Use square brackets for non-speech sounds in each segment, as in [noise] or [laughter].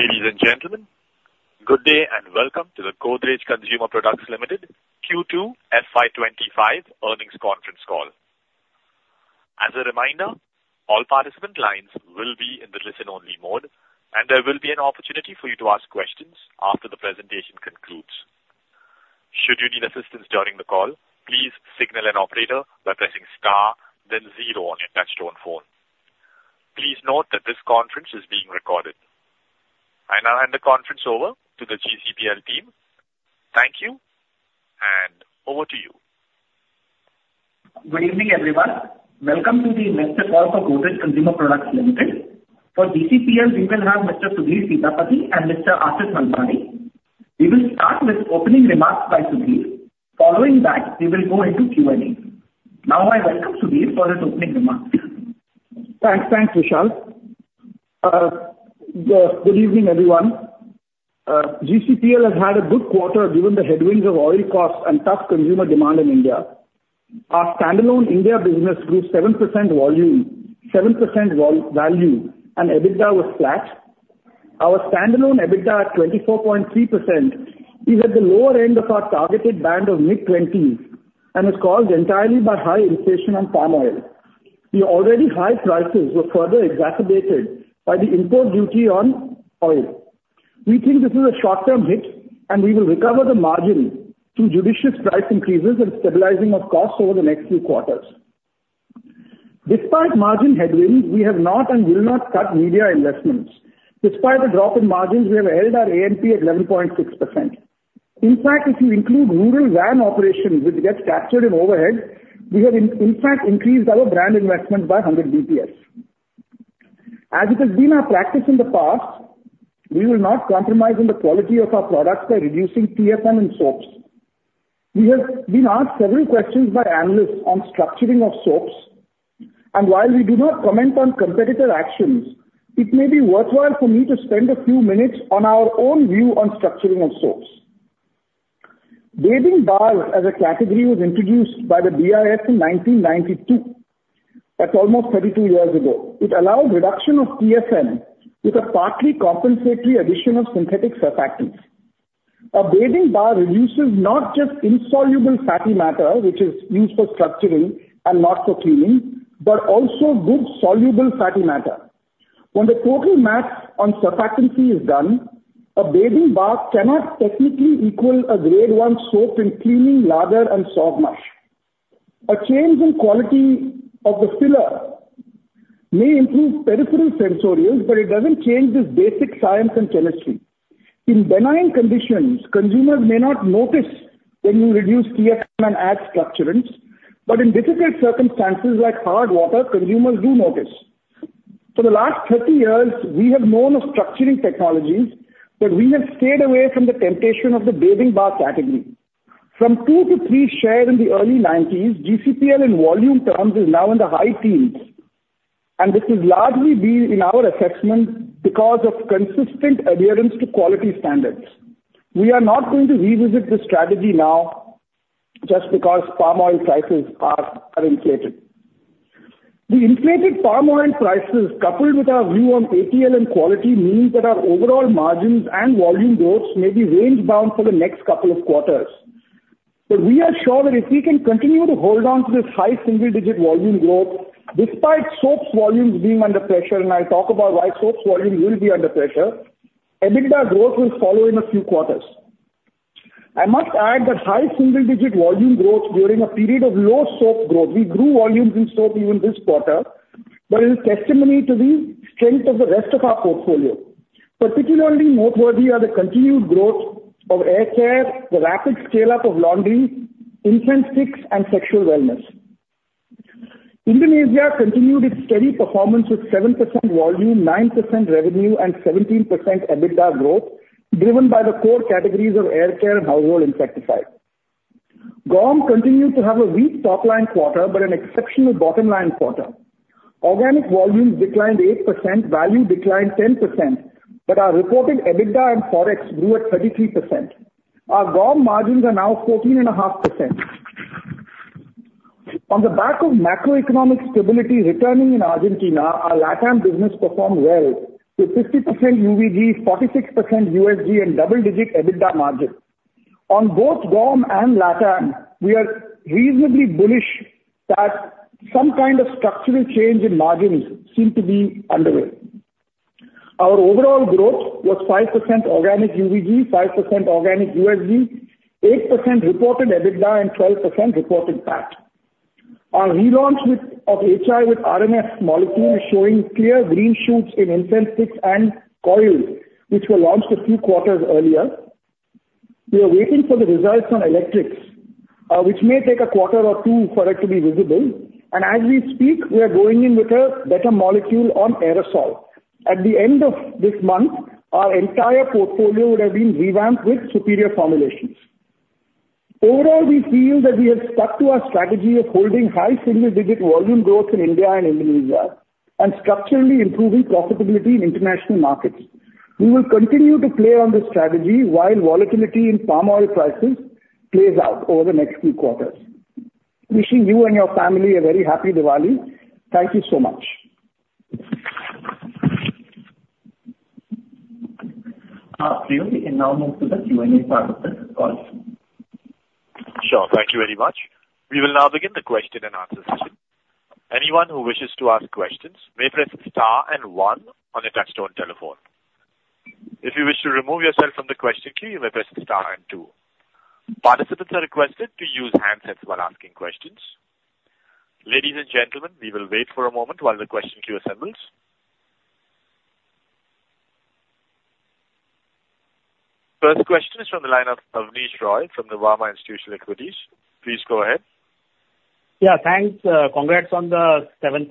Ladies and gentlemen, good day and welcome to the Godrej Consumer Products Limited Q2 FY25 Earnings Conference Call. As a reminder, all participant lines will be in the listen-only mode, and there will be an opportunity for you to ask questions after the presentation concludes. Should you need assistance during the call, please signal an operator by pressing star then zero on your touchtone phone. Please note that this conference is being recorded. I now hand the conference over to the GCPL team. Thank you, and over to you. Good evening, everyone. Welcome to the investor call for Godrej Consumer Products Limited. For GCPL, we will have Mr. Sudhir Sitapati and Mr. Ashish Malpani. We will start with opening remarks by Sudhir. Following that, we will go into Q&A. Now, I welcome Sudhir for his opening remarks. Thanks. Thanks, Vishal. Good evening, everyone. GCPL has had a good quarter, given the headwinds of oil costs and tough consumer demand in India. Our standalone India business grew 7% volume, 7% value, and EBITDA was flat. Our standalone EBITDA at 24.3% is at the lower end of our targeted band of mid-twenties and is caused entirely by high inflation on palm oil. The already high prices were further exacerbated by the import duty on oil. We think this is a short-term hit, and we will recover the margin through judicious price increases and stabilizing of costs over the next few quarters. Despite margin headwinds, we have not and will not cut media investments. Despite the drop in margins, we have held our A&P at 11.6%. In fact, if you include rural van operations, which gets captured in overhead, we have, in fact, increased our brand investment by 100 basis points. As it has been our practice in the past, we will not compromise on the quality of our products by reducing TFM in soaps. We have been asked several questions by analysts on structuring of soaps, and while we do not comment on competitor actions, it may be worthwhile for me to spend a few minutes on our own view on structuring of soaps. Bathing bars, as a category, was introduced by the BIS in 1992. That's almost 32 years ago. It allowed reduction of TFM with a partly compensatory addition of synthetic surfactants. A bathing bar reduces not just insoluble fatty matter, which is used for structuring and not for cleaning, but also good soluble fatty matter. When the total math on surfactant is done, a bathing bar cannot technically equal a Grade 1 soap in cleaning, lather and softness. A change in quality of the filler may improve peripheral sensorials, but it doesn't change the basic science and chemistry. In benign conditions, consumers may not notice when you reduce CPS and add structurants, but in difficult circumstances, like hard water, consumers do notice. For the last thirty years, we have known of structuring technologies, but we have stayed away from the temptation of the bathing bar category. From two to three share in the early 1990s, GCPL, in volume terms, is now in the high teens, and this is largely due, in our assessment, because of consistent adherence to quality standards. We are not going to revisit this strategy now just because palm oil prices are inflated. The inflated palm oil prices, coupled with our view on ATL and quality, means that our overall margins and volume growth may be range-bound for the next couple of quarters. But we are sure that if we can continue to hold on to this high single-digit volume growth, despite soaps volumes being under pressure, and I'll talk about why soaps volume will be under pressure, EBITDA growth will follow in a few quarters. I must add that high single-digit volume growth during a period of low soap growth, we grew volumes in soap even this quarter, but it is testimony to the strength of the rest of our portfolio. Particularly noteworthy are the continued growth of air care, the rapid scale-up of laundry, incense sticks and sexual wellness. Indonesia continued its steady performance with 7% volume, 9% revenue and 17% EBITDA growth, driven by the core categories of air care and household insecticides. GAUM continued to have a weak top-line quarter but an exceptional bottom-line quarter. Organic volumes declined 8%, value declined 10%, but our reported EBITDA and Forex grew at 33%. Our GAUM margins are now 14.5%. On the back of macroeconomic stability returning in Argentina, our LatAm business performed well, with 50% UVG, 46% USG and double-digit EBITDA margins. On both GAUM and LatAm, we are reasonably bullish that some kind of structural change in margins seem to be underway. Our overall growth was 5% organic UVG, 5% organic USG, 8% reported EBITDA and 12% reported PAT. Our relaunch of HI with RNF molecule is showing clear green shoots in incense sticks and coils, which were launched a few quarters earlier. We are waiting for the results on electrics, which may take a quarter or two for it to be visible, and as we speak, we are going in with a better molecule on aerosol. At the end of this month, our entire portfolio would have been revamped with superior formulations. Overall, we feel that we have stuck to our strategy of holding high single-digit volume growth in India and Indonesia and structurally improving profitability in international markets. We will continue to play on this strategy while volatility in palm oil prices plays out over the next few quarters. Wishing you and your family a very happy Diwali! Thank you so much. Clearly, and now move to the Q&A part of this call. Sure. Thank you very much. We will now begin the question and answer session. Anyone who wishes to ask questions may press star and one on your touchtone telephone. If you wish to remove yourself from the question queue, you may press star and two. Participants are requested to use handsets while asking questions. Ladies and gentlemen, we will wait for a moment while the question queue assembles. First question is from the line of Avnish Roy from the Nuvama Institutional Equities. Please go ahead. Yeah, thanks. Congrats on the 7%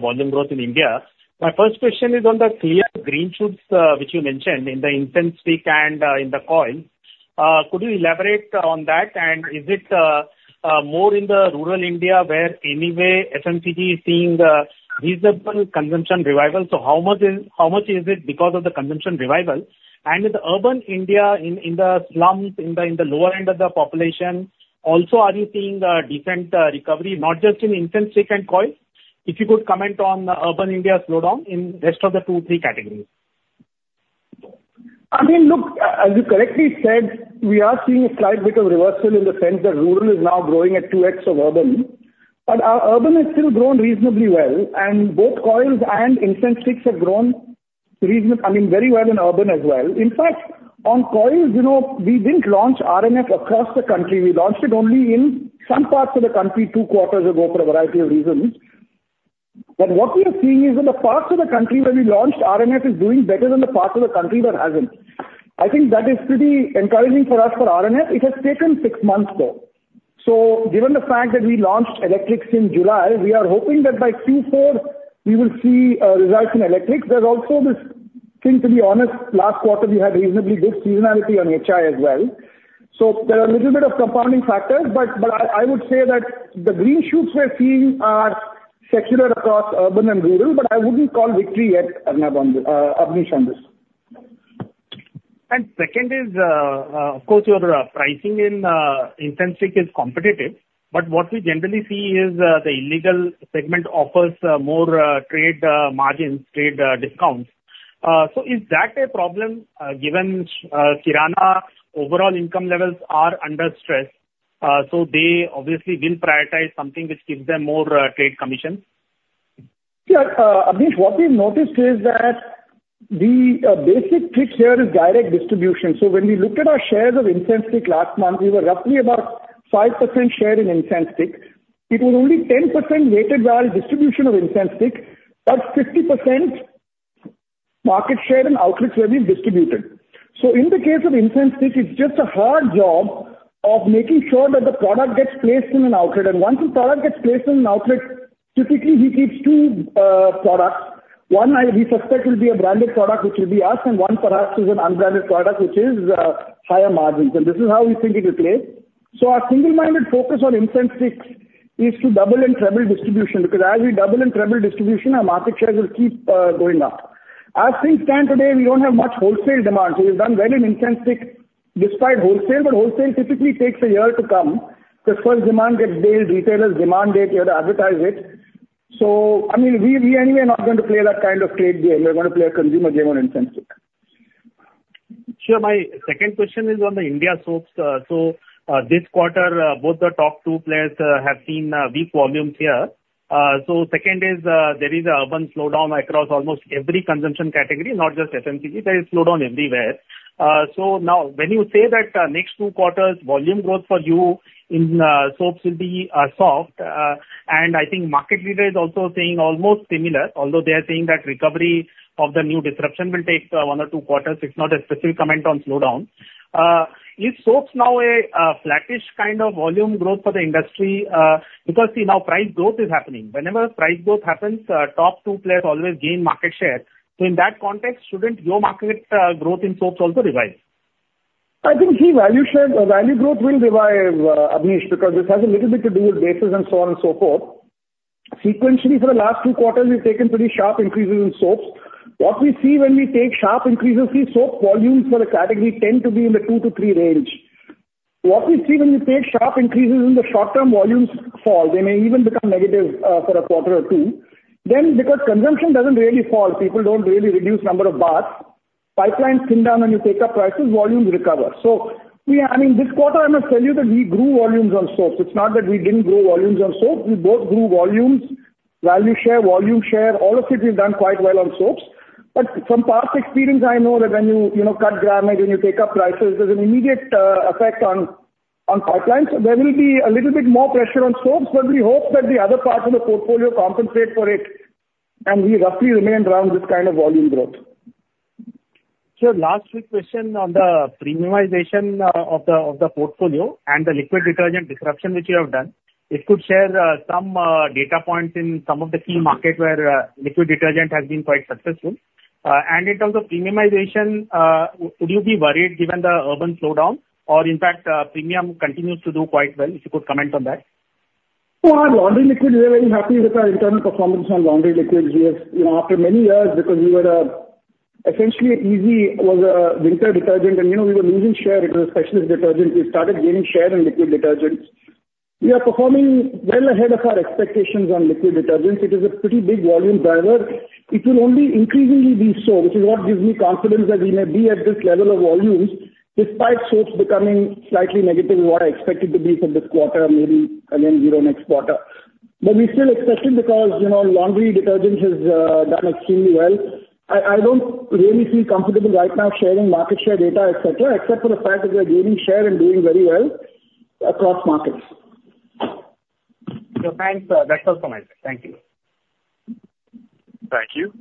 volume growth in India. My first question is on the clear green shoots which you mentioned in the incense stick and in the coil. Could you elaborate on that? And is it more in the rural India, where anyway FMCG is seeing the reasonable consumption revival? So how much is it because of the consumption revival? And in the urban India, in the slums, in the lower end of the population also, are you seeing a decent recovery, not just in incense stick and coil? If you could comment on the urban India slowdown in rest of the two, three categories. I mean, look, as you correctly said, we are seeing a slight bit of reversal in the sense that rural is now growing at 2x of urban. But our urban has still grown reasonably well, and both coils and incense sticks have grown reason, I mean, very well in urban as well. In fact, on coils, you know, we didn't launch RNF across the country. We launched it only in some parts of the country two quarters ago for a variety of reasons. But what we are seeing is, in the parts of the country where we launched RNF is doing better than the parts of the country that hasn't. I think that is pretty encouraging for us for RNF. It has taken six months, though. So given the fact that we launched electrics in July, we are hoping that by Q4 we will see results in electrics. There's also this thing, to be honest, last quarter we had reasonably good seasonality on HI as well. So there are a little bit of compounding factors, but I would say that the green shoots we're seeing are secular across urban and rural, but I wouldn't call victory yet, Avnish, on this. And second is, of course, your pricing in incense stick is competitive, but what we generally see is the illegal segment offers more trade margins, trade discounts. So is that a problem, given kirana overall income levels are under stress, so they obviously will prioritize something which gives them more trade commission? Yeah, Avnish, what we've noticed is that the basic trick here is direct distribution. So when we looked at our shares of incense stick last month, we were roughly about 5% share in incense stick. It was only 10% weighted by distribution of incense stick, but 50% market share in outlets where we've distributed. So in the case of incense stick, it's just a hard job of making sure that the product gets placed in an outlet. And once the product gets placed in an outlet, typically he keeps two products. One, we suspect will be a branded product, which will be us, and one perhaps is an unbranded product, which is higher margins, and this is how we think it will play. So our single-minded focus on incense sticks is to double and treble distribution, because as we double and treble distribution, our market share will keep going up. As things stand today, we don't have much wholesale demand, so we've done well in incense stick despite wholesale, but wholesale typically takes a year to come. The first demand gets built, retailers demand it, you have to advertise it. So I mean, we anyway are not going to play that kind of trade game. We're gonna play a consumer game on incense stick. Sure. My second question is on the India soaps, so this quarter both the top two players have seen weak volumes here. Second is there is an urban slowdown across almost every consumption category, not just FMCG. There is slowdown everywhere, so now when you say that next two quarters volume growth for you in soaps will be soft, and I think market leader is also saying almost similar, although they are saying that recovery of the new disruption will take one or two quarters. It's not a specific comment on slowdown. Is soaps now a flattish kind of volume growth for the industry? Because, see, now price growth is happening. Whenever price growth happens, top two players always gain market share. In that context, shouldn't your market growth in soaps also revive? I think the value share, value growth will revive, Avnish, because this has a little bit to do with bases and so on and so forth. Sequentially for the last two quarters, we've taken pretty sharp increases in soaps. What we see when we take sharp increases, see, soap volumes for the category tend to be in the two to three range. What we see when we take sharp increases in the short-term, volumes fall. They may even become negative, for a quarter or two. Then, because consumption doesn't really fall, people don't really reduce number of baths. Pipelines thin down, when you take up prices, volumes recover. So we... I mean, this quarter, I must tell you that we grew volumes on soaps. It's not that we didn't grow volumes on soap. We both grew volumes, value share, volume share, all of it, we've done quite well on soaps. But from past experience, I know that when you, you know, cut your margin, you take up prices, there's an immediate effect on pipelines. There will be a little bit more pressure on soaps, but we hope that the other parts of the portfolio compensate for it, and we roughly remain around this kind of volume growth. So last quick question on the premiumization of the portfolio and the liquid detergent disruption, which you have done. If you could share some data points in some of the key markets where liquid detergent has been quite successful. And in terms of premiumization, would you be worried given the urban slowdown? Or in fact, premium continues to do quite well. If you could comment on that. So on laundry liquid, we are very happy with our internal performance on laundry liquids. We have, you know, after many years, because we were essentially, Ezee was a winter detergent, and, you know, we were losing share. It was a specialist detergent. We started gaining share in liquid detergents. We are performing well ahead of our expectations on liquid detergents. It is a pretty big volume driver. It will only increasingly be so, which is what gives me confidence that we may be at this level of volumes despite soaps becoming slightly negative, what I expect it to be for this quarter, maybe again, you know, next quarter. But we still expect it because, you know, laundry detergent has done extremely well. I don't really feel comfortable right now sharing market share data, et cetera, except for the fact that we are gaining share and doing very well across markets. So thanks, that's all from my side. Thank you. Thank you.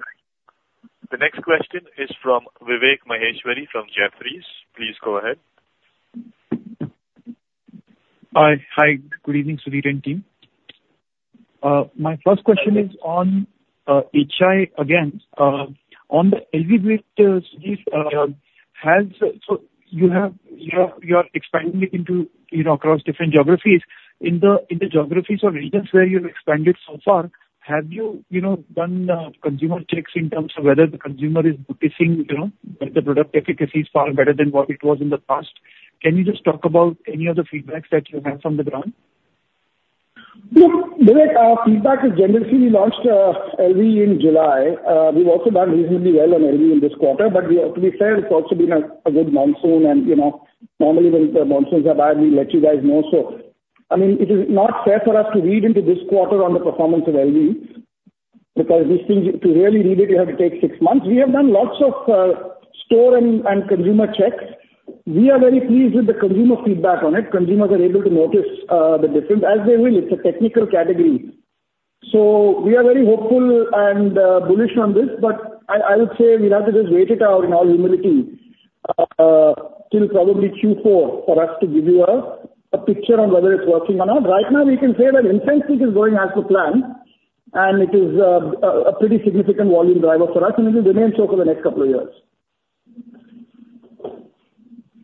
The next question is from Vivek Maheshwari from Jefferies. Please go ahead. Hi, hi, good evening, Sudhir and team. My first question is on HI again. On the LV with, so you have, you are expanding it into, you know, across different geographies. In the geographies or regions where you've expanded so far, have you, you know, done consumer checks in terms of whether the consumer is noticing, you know, that the product efficacy is far better than what it was in the past? Can you just talk about any of the feedbacks that you have from the ground? Look, Vivek, feedback is generally, we launched LV in July. We've also done reasonably well on LV in this quarter, but we have to be fair, it's also been a good monsoon, and, you know, normally when the monsoons are bad, we let you guys know. So, I mean, it is not fair for us to read into this quarter on the performance of LV, because these things, to really read it, you have to take six months. We have done lots of store and consumer checks. We are very pleased with the consumer feedback on it. Consumers are able to notice the difference, as they will. It's a technical category. So we are very hopeful and bullish on this, but I would say we'd have to just wait it out in all humility till probably Q4 for us to give you a picture on whether it's working or not. Right now, we can say that insight seek is going as per plan, and it is a pretty significant volume driver for us, and it will remain so for the next couple of years.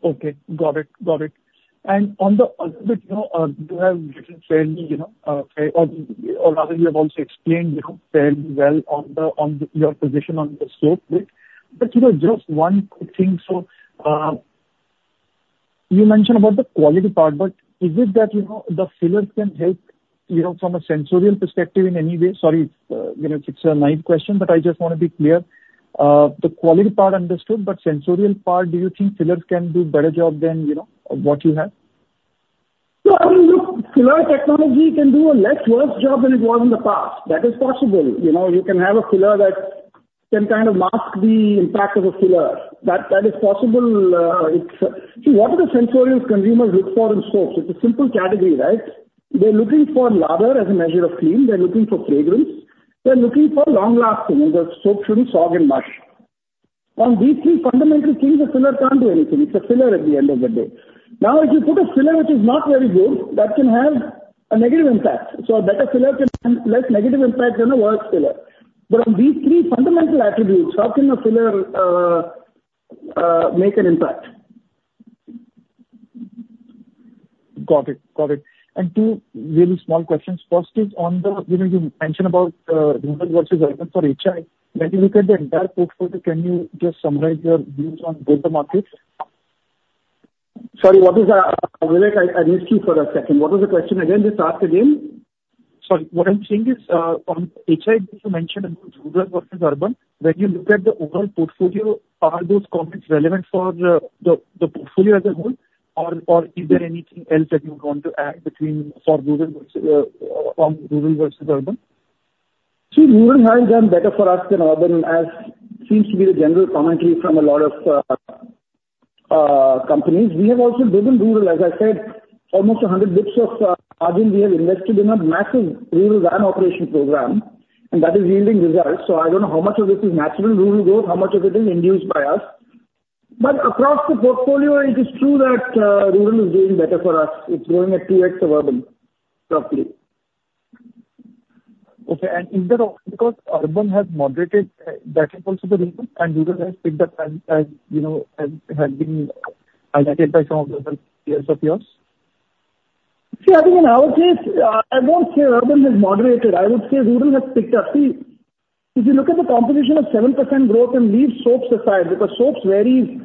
Okay, got it, got it. And on the, you know, you have fairly, you know, or rather, you have also explained, you know, fairly well on the, on the your position on the soap bit. But, you know, just one quick thing. So, you mentioned about the quality part, but is it that, you know, the fillers can help, you know, from a sensorial perspective in any way? Sorry, you know, it's a naive question, but I just want to be clear. The quality part, understood, but sensorial part, do you think fillers can do better job than, you know, what you have? So I mean, look, filler technology can do a less worse job than it was in the past. That is possible. You know, you can have a filler that can kind of mask the impact of a filler. That is possible. It's, see, what do the sensorial consumer look for in soaps? It's a simple category, right? They're looking for lather as a measure of clean, they're looking for fragrance, they're looking for long-lasting, and the soap shouldn't sog and mush. On these three fundamental things, a filler can't do anything. It's a filler at the end of the day. Now, if you put a filler which is not very good, that can have a negative impact, so a better filler can less negative impact than a worse filler. But on these three fundamental attributes, how can a filler make an impact? Got it. Got it. And two really small questions. First is on the, you know, you mentioned about rural versus urban for HI. When you look at the entire portfolio, can you just summarize your views on both the markets? Sorry, what is the, Vivek, I missed you for a second. What was the question again? Just ask again. Sorry. What I'm saying is, on HI, you mentioned about rural versus urban. When you look at the overall portfolio, are those comments relevant for the portfolio as a whole, or is there anything else that you would want to add between for rural versus rural versus urban? See, rural has done better for us than urban, as seems to be the general commentary from a lot of companies. We have also driven rural. As I said, almost 100 basis points of margin we have invested in a massive rural brand operation program, and that is yielding results. So I don't know how much of this is natural rural growth, how much of it is induced by us. But across the portfolio, it is true that rural is doing better for us. It's growing at 2x urban, roughly. Okay, and is that all because urban has moderated back also to rural, and rural has picked up and, you know, and has been highlighted by some of the peers of yours? See, I think in our case, I won't say urban has moderated. I would say rural has picked up. See, if you look at the composition of 7% growth and leave soaps aside, because soaps vary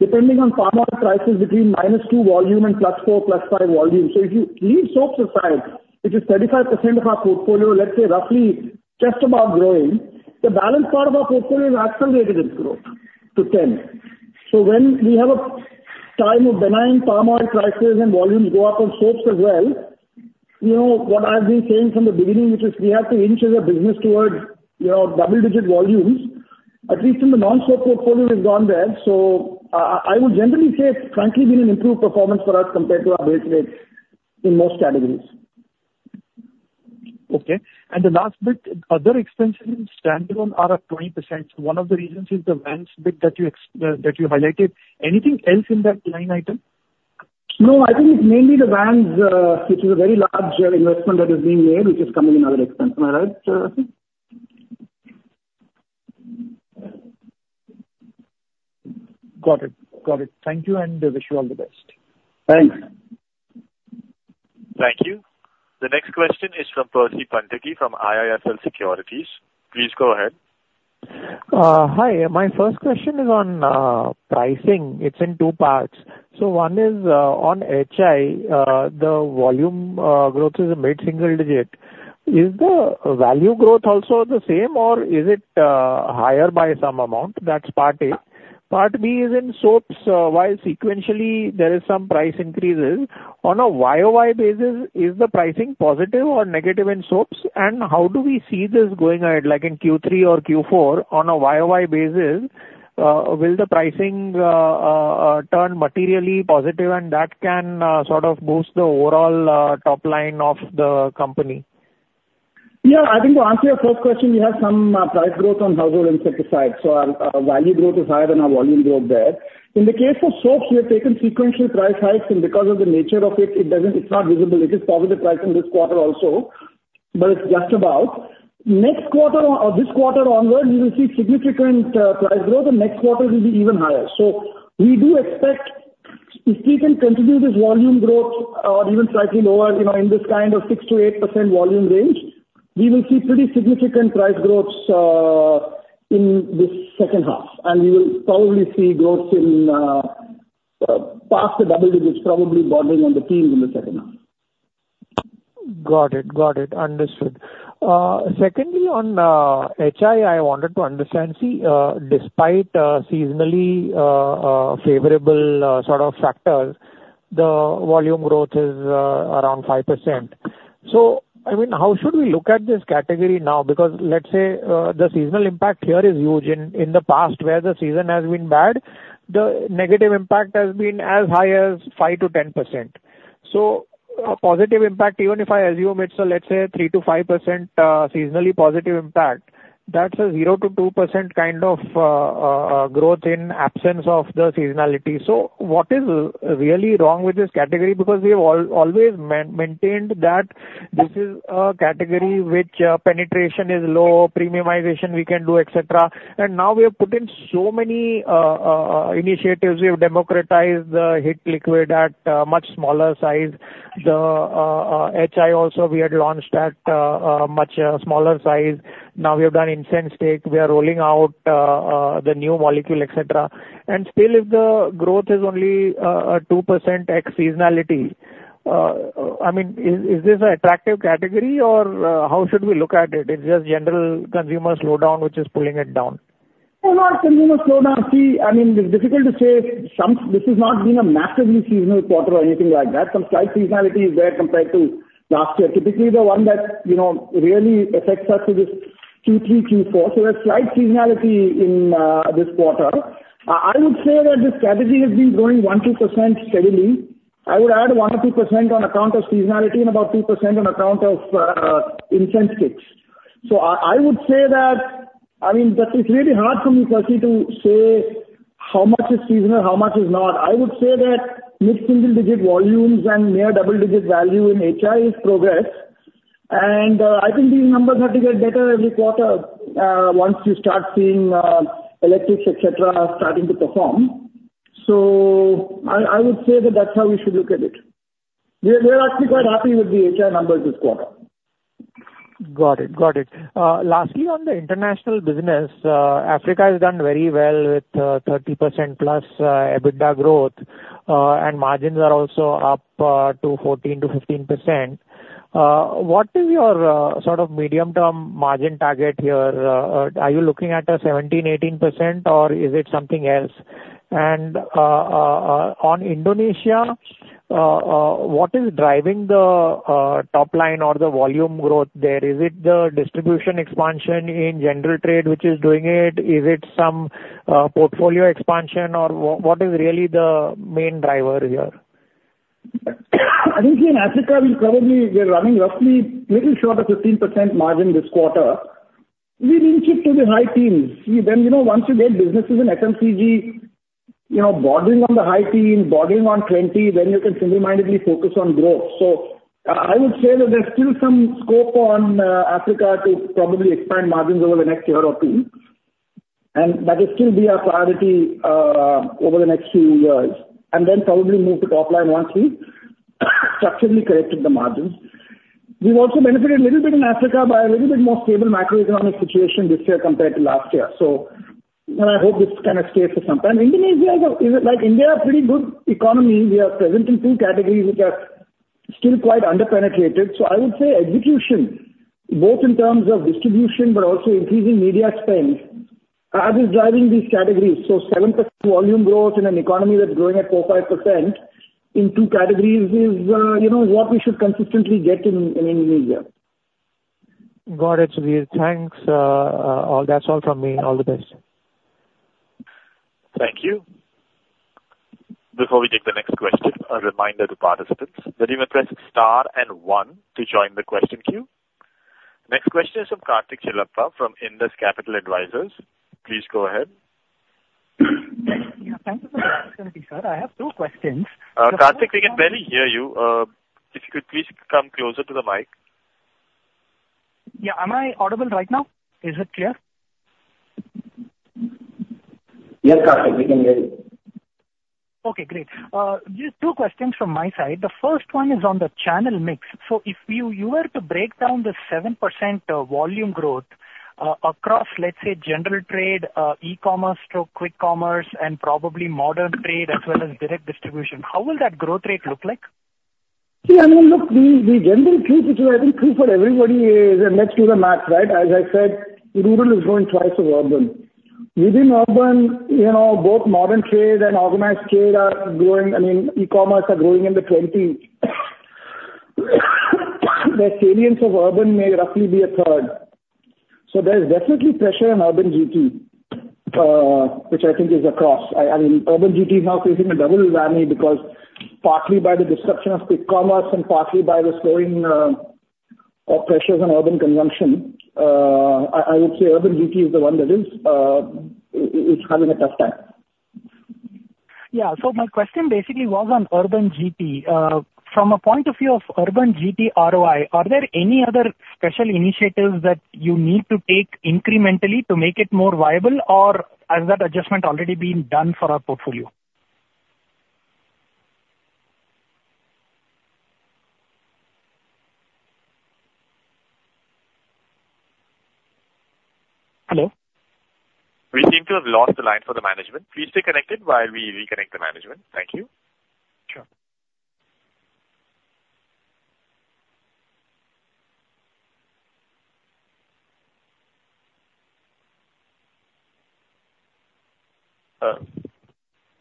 depending on palm oil prices between minus 2 volume and +4, +5 volume. So if you leave soaps aside, which is 35% of our portfolio, let's say roughly just about growing, the balance part of our portfolio is accelerated its growth to 10. So when we have a time of benign palm oil prices and volumes go up on soaps as well, you know, what I've been saying from the beginning, which is we have to inch as a business towards, you know, double digit volumes. At least in the non-soap portfolio, we've gone there, so I would generally say it's frankly been an improved performance for us compared to our weighted rates in most categories. Okay. And the last bit, other expenses in standalone are at 20%. One of the reasons is the vans bit that you highlighted. Anything else in that line item? No, I think it's mainly the vans, which is a very large investment that is being made, which is coming in other expense, am I right, Ashish? Got it. Got it. Thank you, and wish you all the best. Thanks. Thank you. The next question is from Percy Panthaki from IIFL Securities. Please go ahead. Hi. My first question is on pricing. It's in two parts. So one is on HI, the volume growth is a mid-single digit. Is the value growth also the same, or is it higher by some amount? That's part A. Part B is in soaps. While sequentially there is some price increases, on a YOY basis, is the pricing positive or negative in soaps? And how do we see this going ahead, like in Q3 or Q4 on a YOY basis, will the pricing turn materially positive and that can sort of boost the overall top line of the company? Yeah, I think to answer your first question, we have some price growth on household insecticides, so our value growth is higher than our volume growth there. In the case of soaps, we have taken sequential price hikes, and because of the nature of it, it doesn't. It's not visible. It is probably the price in this quarter also, but it's just about. Next quarter, or this quarter onwards, we will see significant price growth, the next quarter will be even higher. So we do expect, if we can continue this volume growth even slightly lower, you know, in this kind of 6%-8% volume range, we will see pretty significant price growths in this second half, and we will probably see growth in past the double digits, probably bordering on the teens in the second half. Got it. Understood. Secondly, on HI, I wanted to understand, see, despite seasonally favorable sort of factors, the volume growth is around 5%. So, I mean, how should we look at this category now? Because, let's say, the seasonal impact here is huge. In the past where the season has been bad, the negative impact has been as high as 5%-10%. So a positive impact, even if I assume it's, let's say, 3%-5%, seasonally positive impact, that's a 0%-2% kind of growth in absence of the seasonality. So what is really wrong with this category? Because we have always maintained that this is a category which penetration is low, premiumization we can do, et cetera. And now we have put in so many initiatives. We have democratized the HIT liquid at a much smaller size. The HIT also, we had launched at a much smaller size. Now, we have done incense stick, we are rolling out the new molecule, et cetera. And still, if the growth is only a 2% ex-seasonality, I mean, is this an attractive category, or how should we look at it? It's just general consumer slowdown, which is pulling it down? Not consumer slowdown. See, I mean, it's difficult to say. This has not been a massively seasonal quarter or anything like that. Some slight seasonality is there compared to last year. Typically the one that, you know, really affects us is this Q3, Q4, so a slight seasonality in this quarter. I would say that this category has been growing 1%-2% steadily. I would add one or two percent on account of seasonality and about 2% on account of incense sticks. So I would say that, I mean, that it's really hard for me, Percy, to say how much is seasonal, how much is not. I would say that mid-single digit volumes and near double-digit value in HI is progress, and, I think these numbers have to get better every quarter, once you start seeing, electrics, et cetera, starting to perform. So I, I would say that that's how we should look at it. We are, we're actually quite happy with the HI numbers this quarter. Got it. Lastly, on the international business, Africa has done very well with 30%+ EBITDA growth, and margins are also up to 14%-15%. What is your sort of medium-term margin target here? Are you looking at a 17%-18%, or is it something else? And on Indonesia, what is driving the top line or the volume growth there? Is it the distribution expansion in general trade, which is doing it? Is it some portfolio expansion, or what is really the main driver here? I think in Africa, we probably, we're running roughly little short of 15% margin this quarter. We will keep to the high teens. We, then, you know, once you get businesses in FMCG, you know, bordering on the high teens, bordering on 20, then you can single-mindedly focus on growth. So I, I would say that there's still some scope on, Africa to probably expand margins over the next year or two, and that will still be our priority, over the next few years, and then probably move to top line once we've structurally corrected the margins. We've also benefited a little bit in Africa by a little bit more stable macroeconomic situation this year compared to last year, so, and I hope this kind of stays for some time. Indonesia is a, is like India, a pretty good economy. We are present in two categories, which are still quite under-penetrated. So I would say execution, both in terms of distribution but also increasing media spend, are what is driving these categories. So 7% volume growth in an economy that's growing at 4%-5% in two categories is, you know, what we should consistently get in Indonesia. Got it, Sudhir. Thanks. That's all from me. All the best. Thank you. Before we take the next question, a reminder to participants that you may press star and one to join the question queue. Next question is from Kartik Chellappa, from Indus Capital Advisors. Please go ahead. Yeah, thank you for the opportunity, sir. I have two questions. Kartik, we can barely hear you. If you could please come closer to the mic. Yeah. Am I audible right now? Is it clear? Yes, Kartik, we can hear you. Okay, great. Just two questions from my side. The first one is on the channel mix. So if you were to break down the 7% volume growth across, let's say, general trade, e-commerce to quick commerce, and probably modern trade, as well as direct distribution, how will that growth rate look like? See, I mean, look, the general truth, which I think is true for everybody, is let's do the math, right? As I said, rural is growing twice as urban. Within urban, you know, both modern trade and organized trade are growing, I mean, e-commerce are growing in the twenties. The variance of urban may roughly be a third. So there's definitely pressure on urban GT, which I think is across. I mean, urban GT is now facing a double whammy, because partly by the disruption of quick commerce and partly by the slowing or pressures on urban consumption. I would say urban GT is the one that is having a tough time. Yeah. So my question basically was on urban GT. From a point of view of urban GT ROI, are there any other special initiatives that you need to take incrementally to make it more viable, or has that adjustment already been done for our portfolio? Hello? We seem to have lost the line for the management. Please stay connected while we reconnect the management. Thank you. Sure.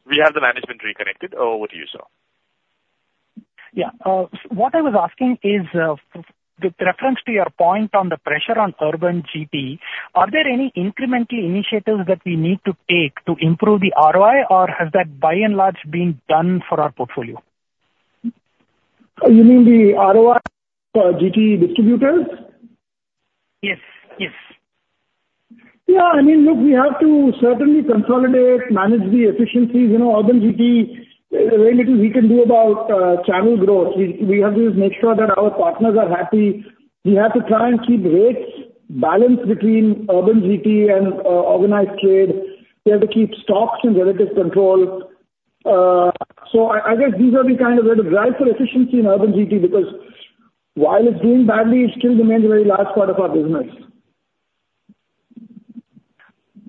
We have the management reconnected. Over to you, sir. Yeah. What I was asking is, with reference to your point on the pressure on urban GT, are there any incremental initiatives that we need to take to improve the ROI, or has that by and large, been done for our portfolio? You mean the ROI for GT distributors? Yes. Yes. Yeah, I mean, look, we have to certainly consolidate, manage the efficiencies. You know, urban GT, very little we can do about, channel growth. We have to make sure that our partners are happy. We have to try and keep rates balanced between urban GT and, organized trade. We have to keep stocks in relative control. So I guess these are the kind of where the drive for efficiency in urban GT, because while it's doing badly, it still remains a very large part of our business.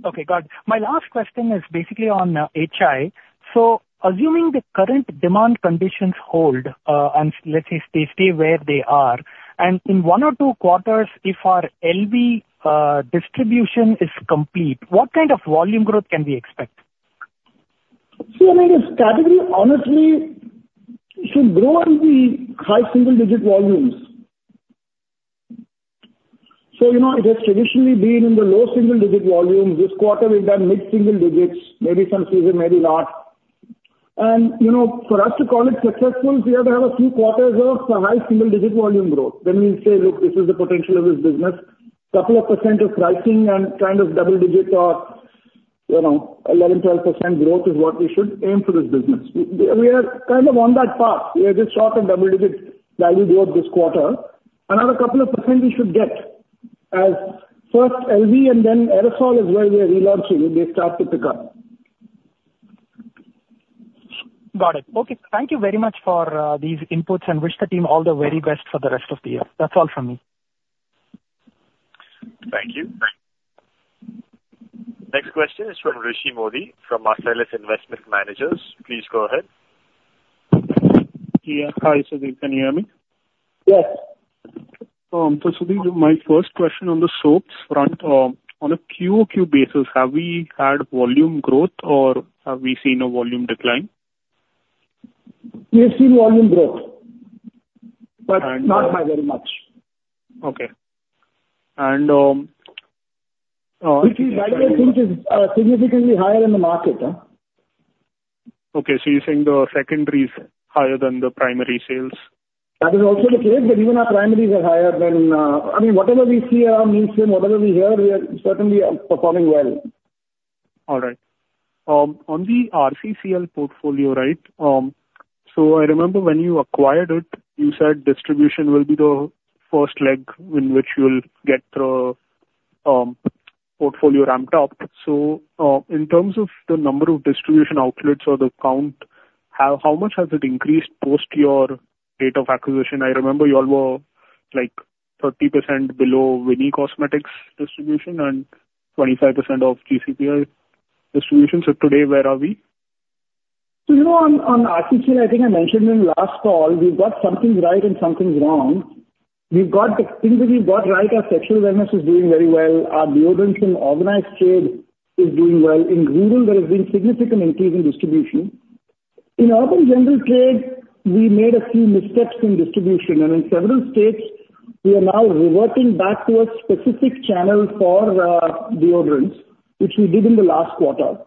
Okay, got it. My last question is basically on HI. So assuming the current demand conditions hold, and let's say they stay where they are, and in one or two quarters, if our LV distribution is complete, what kind of volume growth can we expect? See, I mean, this category, honestly, should grow in the high single digit volumes, so you know, it has traditionally been in the low single digit volumes. This quarter, we've done mid-single digits, maybe some seasonality, maybe not, and you know, for us to call it successful, we have to have a few quarters of a high single digit volume growth, then we say, "Look, this is the potential of this business." Couple of percent of pricing and kind of double digits or, you know, 11%, 12% growth is what we should aim for this business. We are kind of on that path. We are just short of double digits value growth this quarter. Another couple of percent we should get, as first LV and then aerosol is where we are relaunching, and they start to pick up. Got it. Okay. Thank you very much for these inputs, and wish the team all the very best for the rest of the year. That's all from me. Thank you. Next question is from Rishi Modi, from Marcellus Investment Managers. Please go ahead. Yeah. Hi, Sudhir, can you hear me? Yes. Sudhir, my first question on the soaps front, on a QoQ basis, have we had volume growth or have we seen a volume decline? We've seen volume growth [crosstalk] And, uh [crosstalk] But not by very much. Okay. And Which is, I think, significantly higher in the market. Okay, so you're saying the secondary is higher than the primary sales? That is also the case, but even our primaries are higher than, I mean, whatever we see, mainstream, whatever we hear, we are certainly performing well. All right. On the RCCL portfolio, right? So I remember when you acquired it, you said distribution will be the first leg in which you'll get the portfolio ramped up. So, in terms of the number of distribution outlets or the count, how much has it increased post your date of acquisition? I remember you all were, like, 30% below Vini Cosmetics distribution and 25% of GCPL distribution. So today, where are we? So, you know, on RCCL, I think I mentioned in last call, we've got some things right and some things wrong. We've got the things that we've got right, our sexual wellness is doing very well, our deodorants in organized trade is doing well. In rural, there has been significant increase in distribution. In urban general trade, we made a few missteps in distribution, and in several states, we are now reverting back to a specific channel for deodorants, which we did in the last quarter.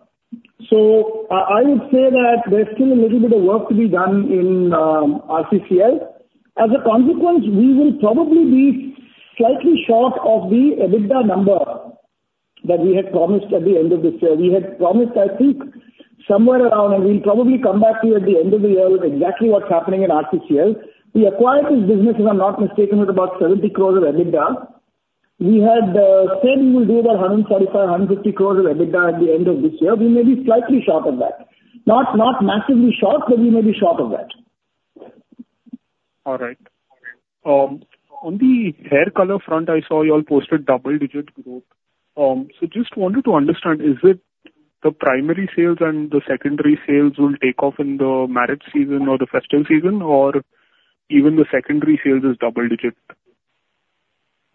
So I would say that there's still a little bit of work to be done in RCCL. As a consequence, we will probably be slightly short of the EBITDA number that we had promised at the end of this year. We had promised, I think, somewhere around, and we'll probably come back to you at the end of the year with exactly what's happening at RCCL. We acquired these businesses, if I'm not mistaken, at about 70 crores of EBITDA. We had said we will do about 145 crores-150 crores of EBITDA at the end of this year. We may be slightly short of that. Not massively short, but we may be short of that. All right. On the hair color front, I saw you all posted double-digit growth. So just wanted to understand, is it the primary sales and the secondary sales will take off in the marriage season or the festival season, or even the secondary sales is double-digit?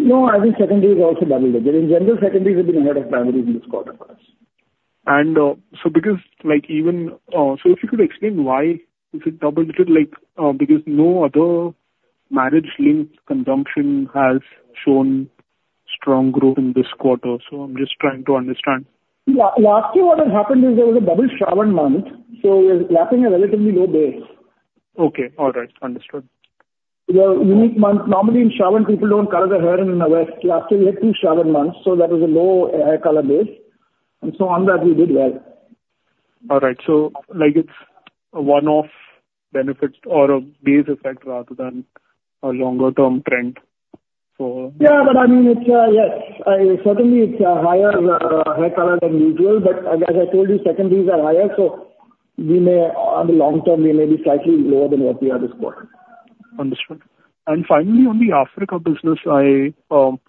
No, I think secondary is also double digit. In general, secondaries have been ahead of primaries in this quarter for us. Because, like, even if you could explain why is it double-digit? Like, because no other major line consumption has shown strong growth in this quarter. So I'm just trying to understand. Yeah. Lastly, what has happened is there was a double Shravan month, so we're lapping a relatively low base. Okay, all right. Understood. Yeah, unique month. Normally, in Shravan, people don't color their hair in the West. Last year we had two Shravan months, so that was a low hair color base, and so on that we did well. All right. So, like, it's a one-off benefit or a base effect rather than a longer-term trend, so- Yeah, but I mean, yes, certainly it's a higher hair color than usual. But as I told you, secondaries are higher, so we may, on the long term, we may be slightly lower than what we are this quarter. Understood. And finally, on the Africa business, I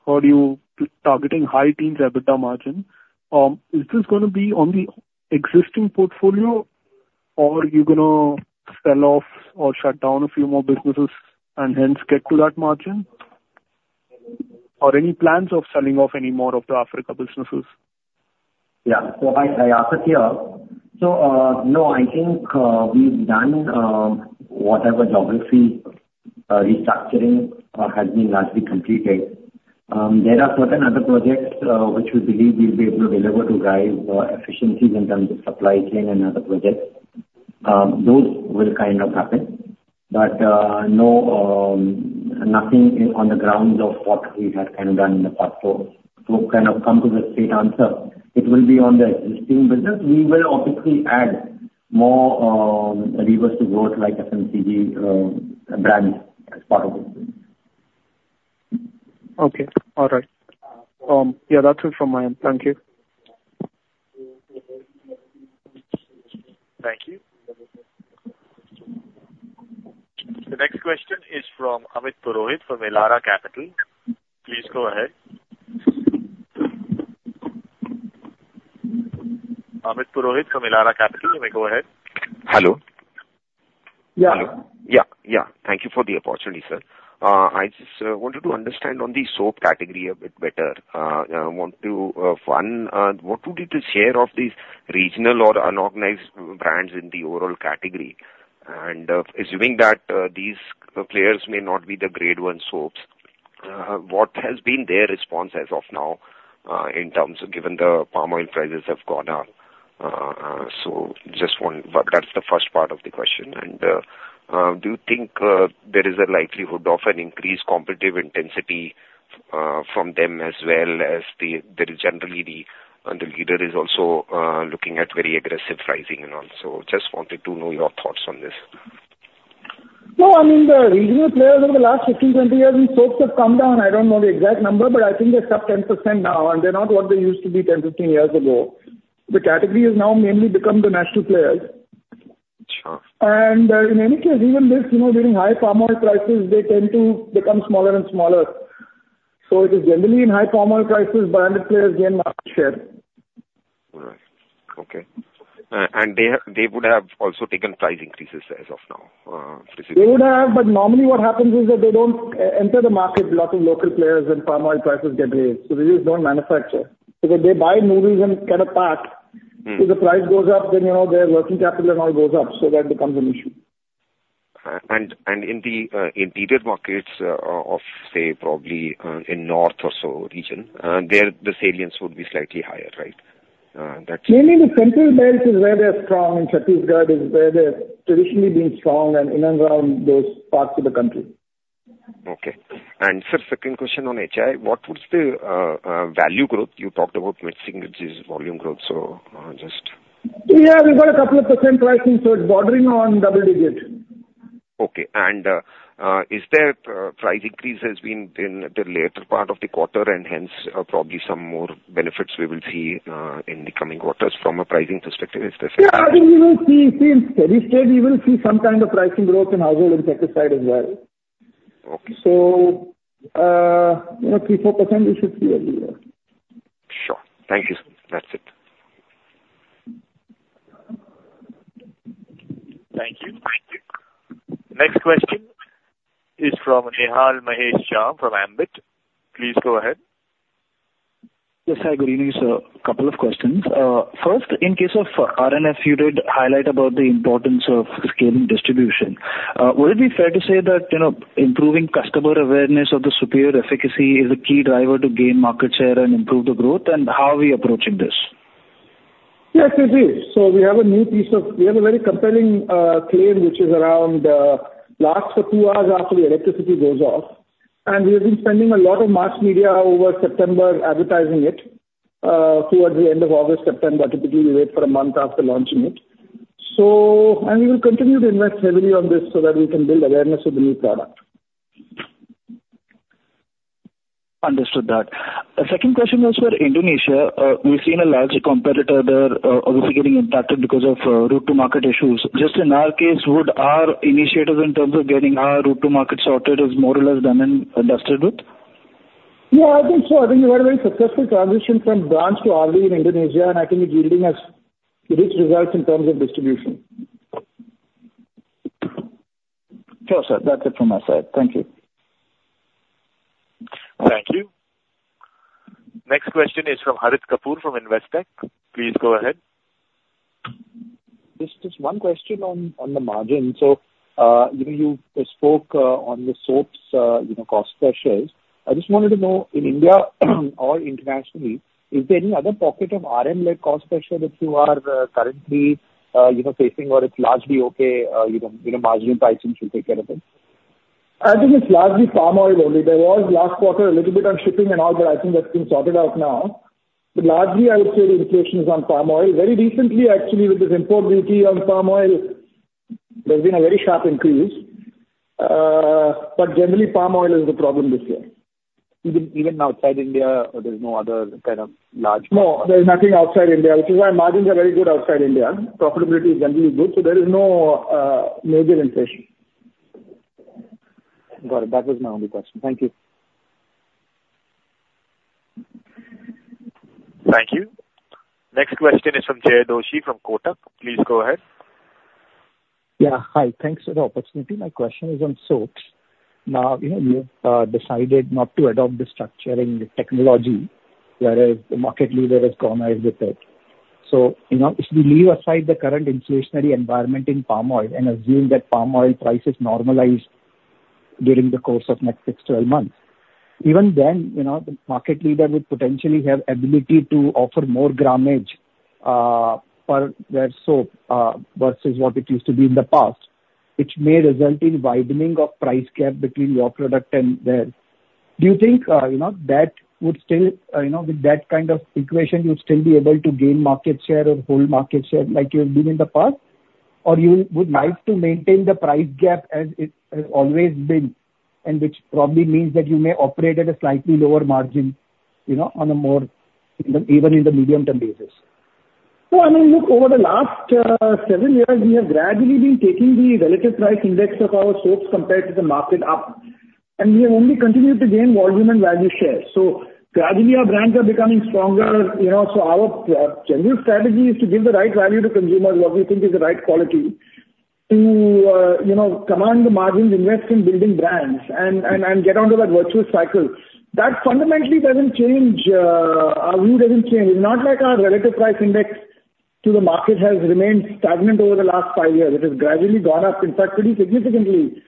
heard you targeting high teens EBITDA margin. Is this gonna be on the existing portfolio, or you're gonna sell off or shut down a few more businesses and hence get to that margin? Or any plans of selling off any more of the Africa businesses? Yeah. So I asked it here. So, no, I think, we've done whatever geography restructuring has been largely completed. There are certain other projects which we believe we'll be able to deliver to drive efficiencies in terms of supply chain and other projects. Those will kind of happen. But, no, nothing in, on the grounds of what we have kind of done in the past. So to kind of come to the straight answer, it will be on the existing business. We will obviously add more levers to growth, like FMCG brands, as part of it. Okay. All right. Yeah, that's it from my end. Thank you. Thank you. The next question is from Amit Purohit from Elara Capital. Please go ahead. Amit Purohit from Elara Capital, you may go ahead. Hello. Yeah. Yeah, yeah. Thank you for the opportunity, sir. I just wanted to understand on the soap category a bit better. I want to one what would be the share of the regional or unorganized brands in the overall category? And assuming that these players may not be the Grade One soaps what has been their response as of now in terms of given the palm oil prices have gone up? So just one but that's the first part of the question. And do you think there is a likelihood of an increased competitive intensity from them as well as generally the leader is also looking at very aggressive pricing and all? So just wanted to know your thoughts on this. No, I mean, the regional players over the last 15 years-20 years, in soaps have come down. I don't know the exact number, but I think they're sub 10% now, and they're not what they used to be 10 years-15 years ago. The category has now mainly become the national players. Sure. In any case, even this, you know, during high palm oil prices, they tend to become smaller and smaller. It is generally in high palm oil prices, branded players gain market share. All right. Okay. And they, they would have also taken price increases as of now, this year? They would have, but normally what happens is that they don't re-enter the market, a lot of local players, when palm oil prices get raised, so they just don't manufacture. Because they buy in small volumes and get a pack. Mm. So the price goes up, then, you know, their working capital and all goes up, so that becomes an issue. And in the interior markets of, say, probably in north or so region, there these alliances would be slightly higher, right? That's Mainly the central belt is where they're strong. Chhattisgarh is where they've traditionally been strong and in and around those parts of the country. Okay, and sir, second question on HI, what was the value growth? You talked about mixing, which is volume growth, so just [crosstalk] Yeah, we've got a couple of percent pricing, so it's bordering on double digits. Okay. And, is there, price increase has been in the later part of the quarter and hence, probably some more benefits we will see, in the coming quarters from a pricing perspective, is this- Yeah, I think we will see in steady state, we will see some kind of pricing growth in household and sector side as well. Okay. You know, 3%-4% we should see every year. Sure. Thank you, sir. That's it. Thank you. Next question is from Nehal Shah from Ambit. Please go ahead. Yes, hi, good evening, sir. A couple of questions. First, in case of R&F, you did highlight about the importance of scaling distribution. Would it be fair to say that, you know, improving customer awareness of the superior efficacy is a key driver to gain market share and improve the growth, and how are we approaching this? Yes, it is. So we have a very compelling claim, which is around lasts for two hours after the electricity goes off. And we have been spending a lot of mass media over September, advertising it towards the end of August, September. Typically, we wait for a month after launching it. So, and we will continue to invest heavily on this so that we can build awareness of the new product. Understood that. The second question was for Indonesia. We've seen a larger competitor there, obviously getting impacted because of route to market issues. Just in our case, would our initiatives in terms of getting our route to market sorted is more or less done and dusted with? Yeah, I think so. I think we've had a very successful transition from branch to RD in Indonesia, and I think it's yielding us rich results in terms of distribution. Sure, sir. That's it from my side. Thank you. Thank you. Next question is from Harit Kapoor, from Investec. Please go ahead. Just one question on the margin. So, you know, you spoke on the soaps, you know, cost pressures. I just wanted to know, in India or internationally, is there any other pocket of RM-led cost pressure that you are currently, you know, facing, or it's largely okay, you know, margin pricing should take care of it? I think it's largely palm oil only. There was last quarter, a little bit on shipping and all, but I think that's been sorted out now. But largely, I would say the inflation is on palm oil. Very recently, actually, with this import duty on palm oil, there's been a very sharp increase. But generally, palm oil is the problem this year. Even outside India, there's no other kind of large [crosstalk] No, there's nothing outside India, which is why margins are very good outside India. Profitability is generally good, so there is no major inflation. Got it. That was my only question. Thank you. Thank you. Next question is from Jay Doshi, from Kotak. Please go ahead. Yeah. Hi, thanks for the opportunity. My question is on soaps. Now, you know, you've decided not to adopt the structure and the technology, whereas the market leader has gone ahead with it. So, you know, if we leave aside the current inflationary environment in palm oil and assume that palm oil prices normalize during the course of next 6 months-8 months, even then, you know, the market leader would potentially have ability to offer more grammage per their soap versus what it used to be in the past, which may result in widening of price gap between your product and theirs. Do you think, you know, that would still, you know, with that kind of equation, you'd still be able to gain market share or hold market share like you have done in the past? Or you would like to maintain the price gap as it has always been, and which probably means that you may operate at a slightly lower margin, you know, on a more, even in the medium-term basis? So I mean, look, over the last seven years, we have gradually been taking the relative price index of our soaps compared to the market up, and we have only continued to gain volume and value share. So gradually, our brands are becoming stronger, you know, so our general strategy is to give the right value to consumers what we think is the right quality to, you know, command the margins, invest in building brands and, and, and get onto that virtuous cycle. That fundamentally doesn't change, our view doesn't change. It's not like our relative price index to the market has remained stagnant over the last five years. It has gradually gone up, in fact, pretty significantly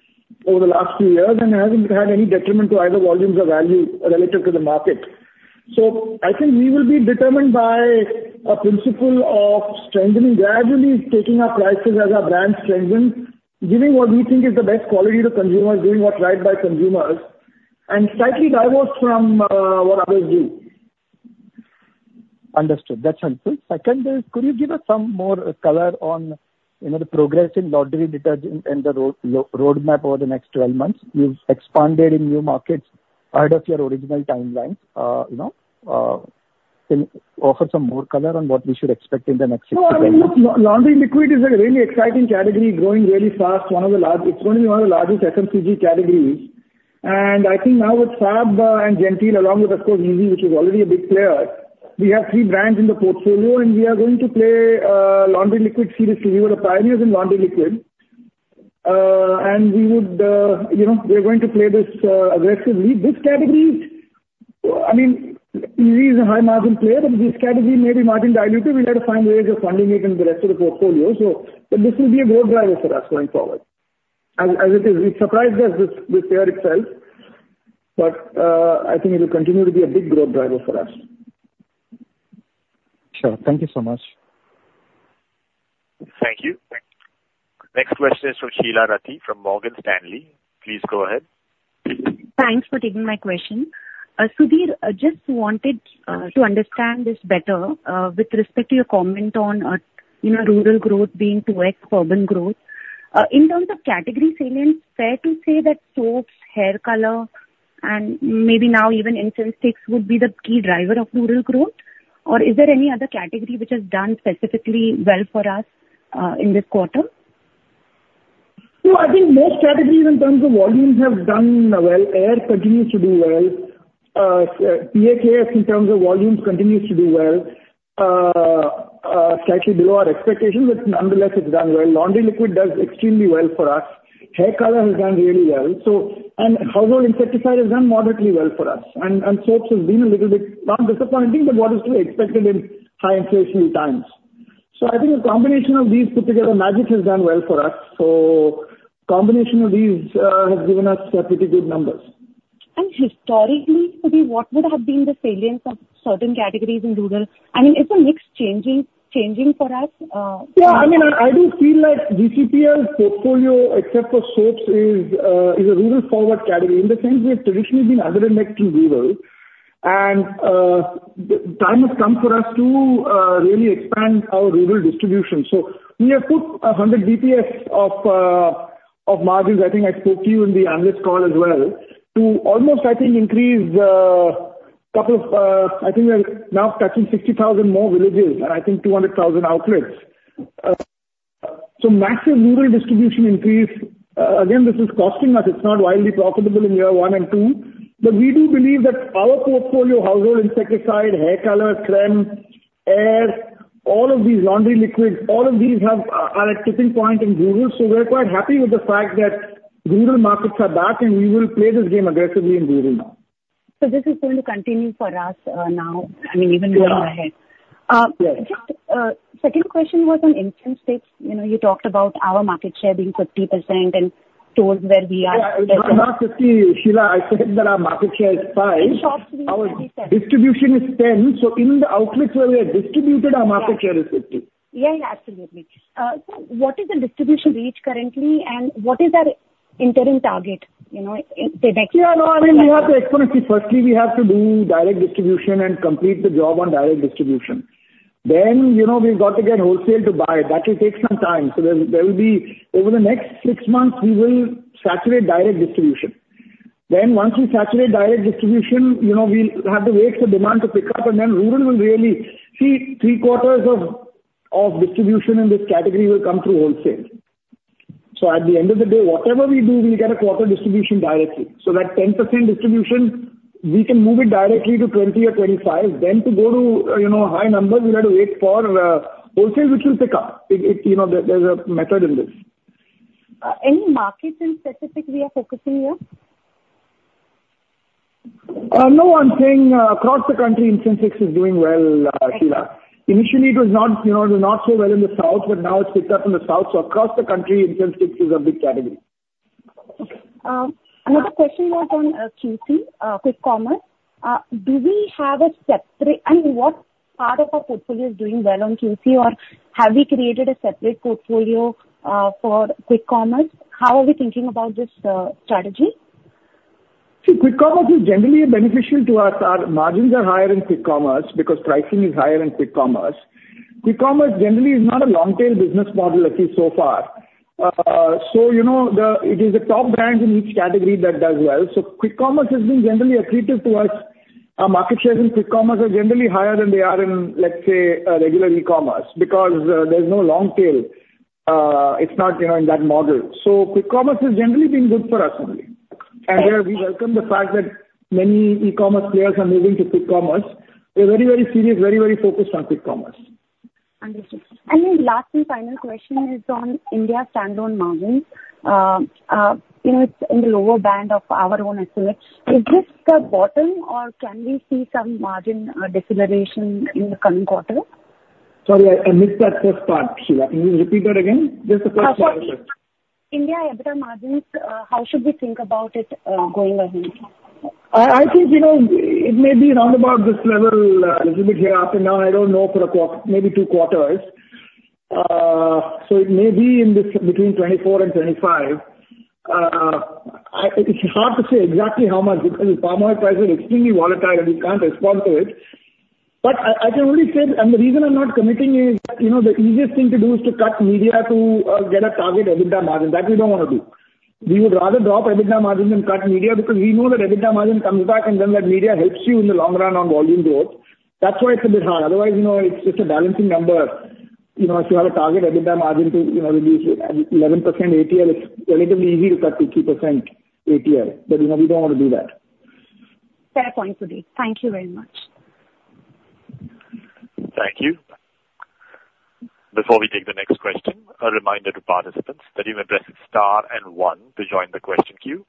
over the last few years and hasn't had any detriment to either volumes or value relative to the market. So I think we will be determined by a principle of strengthening, gradually taking up prices as our brands strengthen, giving what we think is the best quality to consumers, doing what's right by consumers, and slightly diverse from what others do. Understood. That's helpful. Second is, could you give us some more color on, you know, the progress in laundry detergent and the roadmap over the next twelve months? You've expanded in new markets ahead of your original timelines. You know, can offer some more color on what we should expect in the next 6 months-8 months. No, I mean, look, laundry liquid is a really exciting category, growing really fast, one of the large... It's going to be one of the largest FMCG categories. And I think now with Fab and Genteel along with, of course, Ezee, which is already a big player, we have three brands in the portfolio, and we are going to play laundry liquid seriously. We were pioneers in laundry liquid. And we would, you know, we are going to play this aggressively. This category, I mean, Ezee is a high-margin player, but this category may be margin dilutive. We had to find ways of funding it in the rest of the portfolio. So, but this will be a growth driver for us going forward. As it is, it surprised us, this year itself, but I think it will continue to be a big growth driver for us. Sure. Thank you so much. Thank you. Next question is from Sheela Rathi from Morgan Stanley. Please go ahead. Thanks for taking my question. Sudhir, I just wanted to understand this better with respect to your comment on, you know, rural growth being towards urban growth. In terms of category salience, fair to say that soaps, hair color, and maybe now even incense sticks would be the key driver of rural growth? Or is there any other category which has done specifically well for us in this quarter? I think most categories in terms of volumes have done well. Aer continues to do well. PKS in terms of volumes continues to do well. Slightly below our expectations, but nonetheless, it's done well. Laundry liquid does extremely well for us. Hair color has done really well. And household insecticide has done moderately well for us. And soaps has been a little bit not disappointing, but what is to be expected in high inflationary times. I think a combination of these put together, Magic has done well for us. Combination of these has given us pretty good numbers. Historically, Sudhir, what would have been the salience of certain categories in rural? I mean, is the mix changing for us? Yeah, I mean, I do feel like GCPL's portfolio, except for soaps, is a rural-forward category, in the sense we have traditionally been under-index to rural, and the time has come for us to really expand our rural distribution. So we have put 100 basis points of margins, I think I spoke to you in the analyst call as well, to almost increase a couple of, I think we're now touching 60,000 more villages, and I think 200,000 outlets. So massive rural distribution increase. Again, this is costing us, it's not wildly profitable in year one and two, but we do believe that our portfolio, household insecticide, hair color, creme, aer, all of these laundry liquids, all of these are at tipping point in rural. So we're quite happy with the fact that rural markets are back, and we will play this game aggressively in rural now. So this is going to continue for us, now, I mean, even going ahead. Yeah. Second question was on incense sticks. You know, you talked about our market share being 50% and stores where we are. [crosstalk] Yeah, not fifty, Sheela, I said that our market share is five. [crosstalk] Shops, we said. Our distribution is 10%, so in the outlets where we are distributed, our market share is 50%. Yes, absolutely. So what is the distribution reach currently, and what is our interim target? You know, if they- Yeah, no, I mean, we have to explain. Firstly, we have to do direct distribution and complete the job on direct distribution. Then, you know, we've got to get wholesale to buy it. That will take some time, so there will be. Over the next 6 months, we will saturate direct distribution. Then once we saturate direct distribution, you know, we'll have to wait for demand to pick up, and then rural will really. See, three quarters of distribution in this category will come through wholesale. So at the end of the day, whatever we do, we get a quarter distribution directly. So that 10% distribution, we can move it directly to 20 or 25. Then to go to, you know, high numbers, we'll have to wait for wholesale, which will pick up. You know, there's a method in this. Any markets in specific we are focusing here? No, I'm saying across the country, incense sticks is doing well, Sheela. Okay. Initially, it was not, you know, not so well in the South, but now it's picked up in the South. So across the country, incense sticks is a big category. Okay. Another question was on QC, quick commerce. Do we have a separate... I mean, what part of our portfolio is doing well on QC? Or have we created a separate portfolio for quick commerce? How are we thinking about this strategy? See, quick commerce is generally beneficial to us. Our margins are higher in quick commerce because pricing is higher in quick commerce. Quick commerce generally is not a long tail business model, at least so far. So, you know, it is the top brands in each category that does well. So quick commerce has been generally accretive to us. Our market shares in quick commerce are generally higher than they are in, let's say, regular e-commerce, because there's no long tail. It's not, you know, in that model. So quick commerce has generally been good for us only. Thank you. We welcome the fact that many e-commerce players are moving to quick commerce. We're very, very serious, very, very focused on quick commerce. Understood. And then last and final question is on India standalone margins. You know, it's in the lower band of our own AOP. Is this the bottom, or can we see some margin deceleration in the coming quarter? Sorry, I missed that first part, Sheela. Can you repeat that again? Just the first part. India, EBITDA margins, how should we think about it, going ahead? I think, you know, it may be around about this level, a little bit here up, and now I don't know, maybe two quarters. So it may be in this between 24 and 25. It's hard to say exactly how much, because palm oil prices are extremely volatile, and we can't respond to it. But I can only say, and the reason I'm not committing is, you know, the easiest thing to do is to cut media to get a target EBITDA margin. That we don't want to do. We would rather drop EBITDA margin than cut media, because we know that EBITDA margin comes back, and then that media helps you in the long run on volume growth. That's why it's a bit hard. Otherwise, you know, it's a balancing number. You know, if you have a target EBITDA margin to, you know, reduce 11% ATL, it's relatively easy to cut to 2% ATL, but, you know, we don't want to do that. Fair point, Sudhi. Thank you very much. Thank you. Before we take the next question, a reminder to participants that you may press star and one to join the question queue.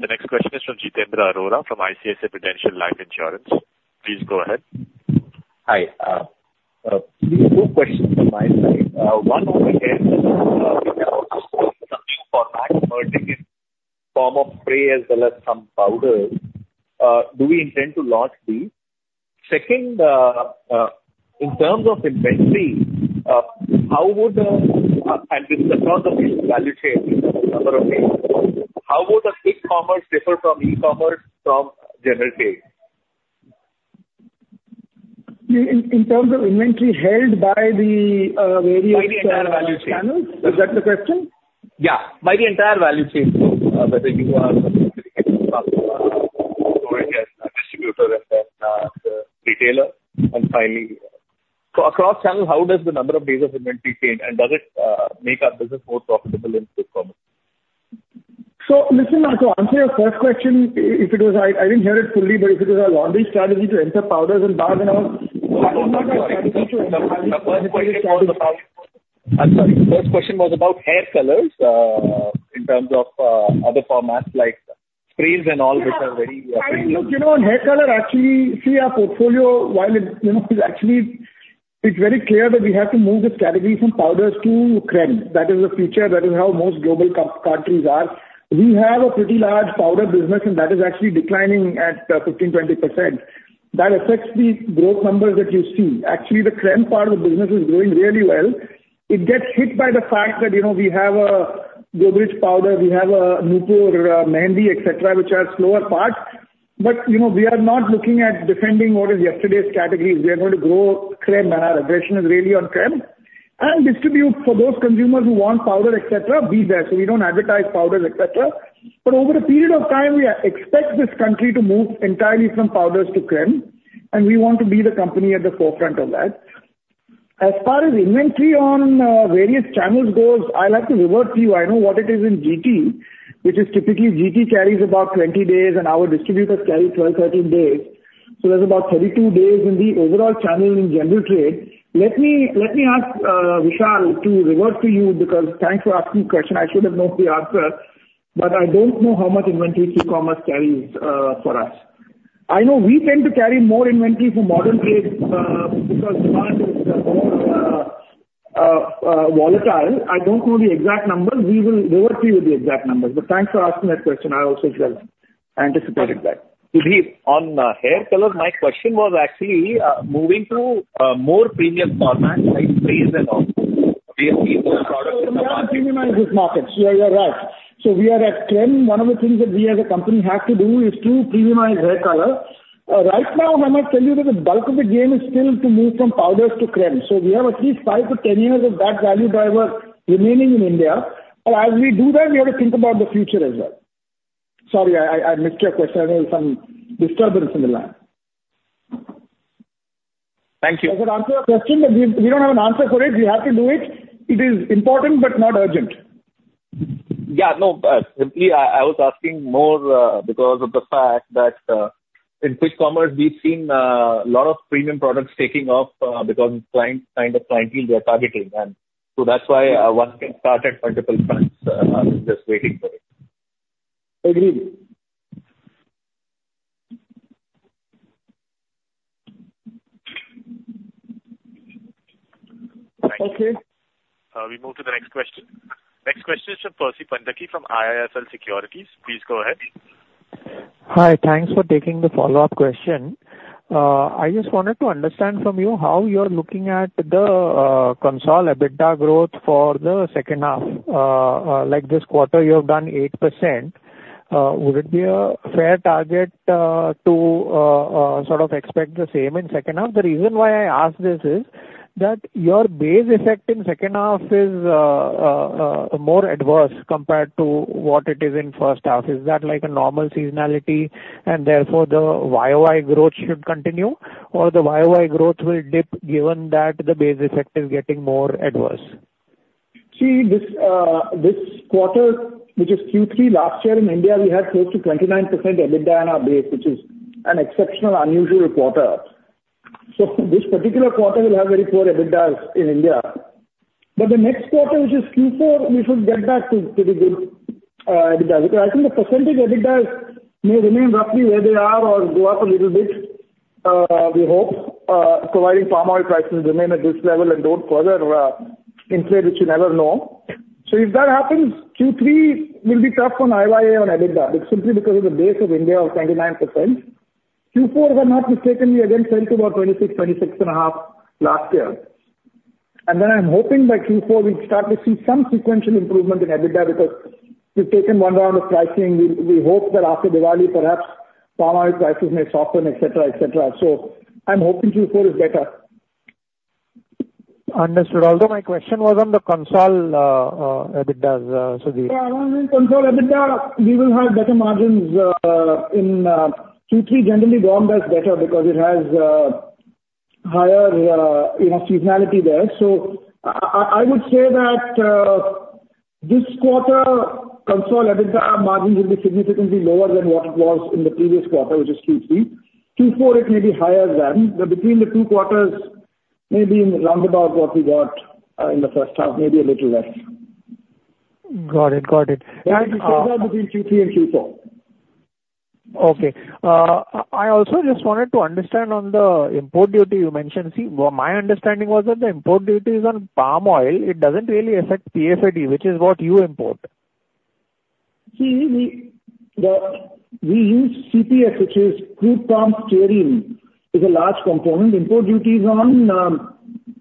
The next question is from Jitendra Arora, from ICICI Prudential Life Insurance. Please go ahead. Hi, two questions from my side. One over here, we are also seeing something for max in form of spray as well as some powders. Do we intend to launch these? Second, in terms of inventory, how would, and with the cost of this value chain, number of days, how would the quick commerce differ from e-commerce from general case? In terms of inventory held by the various. [crosstalk] By the entire value chain. Is that the question? Yeah, by the entire value chain. Whether you are, storage as a distributor and then, the retailer, and finally. So across channels, how does the number of days of inventory change, and does it make our business more profitable in quick commerce? So listen, to answer your first question, if it was. I didn't hear it fully, but if it was our laundry strategy to enter powders and bars and all, I don't think our strategy to enter- The first question was about. I'm sorry. First question was about hair colors, in terms of, other formats like sprays and all, which are very, I mean, look, you know, in hair color, actually, see our portfolio, while it, you know, is actually, it's very clear that we have to move this category from powders to creme. That is the future. That is how most global countries are. We have a pretty large powder business, and that is actually declining at 15-20%. That affects the growth numbers that you see. Actually, the creme part of the business is growing really well. It gets hit by the fact that, you know, we have a Godrej powder, we have a mehendi, et cetera, which are slower parts. But, you know, we are not looking at defending what is yesterday's categories. We are going to grow creme, and our aggression is really on creme, and distribute for those consumers who want powder, et cetera, be there. So we don't advertise powders, et cetera. But over a period of time, we expect this country to move entirely from powders to creme, and we want to be the company at the forefront of that. As far as inventory on various channels goes, I'd like to revert to you. I know what it is in GT, which is typically GT carries about twenty days, and our distributors carry twelve, thirteen days. So there's about thirty-two days in the overall channel in general trade. Let me, let me ask Vishal to revert to you, because thanks for asking the question, I should have known the answer, but I don't know how much inventory quick commerce carries for us. I know we tend to carry more inventory for modern trade because demand is more volatile. I don't know the exact numbers. We will revert to you with the exact numbers, but thanks for asking that question. I also felt, anticipated that. Sudhir, on hair color, my question was actually moving to more premium format like sprays and all. We have seen more products in the past. We are premiumizing markets. Yeah, you're right, so we are at cream. One of the things that we as a company have to do is to premiumize hair color. Right now, when I tell you that the bulk of the game is still to move from powders to cream, so we have at least five to 10 years of that value driver remaining in India. But as we do that, we have to think about the future as well. Sorry, I missed your question. There was some disturbance in the line. Thank you. Does that answer your question? But we don't have an answer for it. We have to do it. It is important, but not urgent. Yeah, no, simply, I was asking more because of the fact that in quick commerce we've seen a lot of premium products taking off because of client kind of clientele they are targeting then. So that's why one can start at multiple fronts just waiting for it. Agreed. Thank you. Okay. We move to the next question. Next question is from Percy Panthaki from IIFL Securities. Please go ahead. Hi. Thanks for taking the follow-up question. I just wanted to understand from you how you're looking at the consolidated EBITDA growth for the second half. Like this quarter, you have done 8%. Would it be a fair target to sort of expect the same in second half? The reason why I ask this is that your base effect in second half is more adverse compared to what it is in first half. Is that like a normal seasonality and therefore the YOY growth should continue, or the YOY growth will dip, given that the base effect is getting more adverse? See, this quarter, which is Q3, last year in India, we had close to 29% EBITDA on our base, which is an exceptional, unusual quarter. So this particular quarter will have very poor EBITDAs in India. But the next quarter, which is Q4, we should get back to pretty good EBITDA. Because I think the percentage EBITDAs may remain roughly where they are or go up a little bit, we hope, providing palm oil prices remain at this level and don't further inflate, which you never know. So if that happens, Q3 will be tough on YOY on EBITDA. It's simply because of the base of India of 29%. Q4, if I'm not mistaken, we again sell to about 26%, 26.5% last year. And then I'm hoping by Q4 we start to see some sequential improvement in EBITDA because we've taken one round of pricing. We hope that after Diwali, perhaps palm oil prices may soften, et cetera, et cetera. So I'm hoping Q4 is better. Understood. Although my question was on the consolidated EBITDAs, Sudhir. Yeah, on the consolidated EBITDA, we will have better margins. In Q3 generally one does better because it has higher you know seasonality there. So I would say that this quarter consolidated EBITDA margins will be significantly lower than what it was in the previous quarter, which is Q3. Q4, it may be higher than, but between the two quarters, maybe round about what we got in the first half, maybe a little less. Got it. Got it. Yeah, between Q3 and Q4. Okay. I also just wanted to understand on the import duty you mentioned. See, well, my understanding was that the import duty is on palm oil. It doesn't really affect PFAD, which is what you import. See, we use CPS, which is crude palm stearin, is a large component. Import duty is on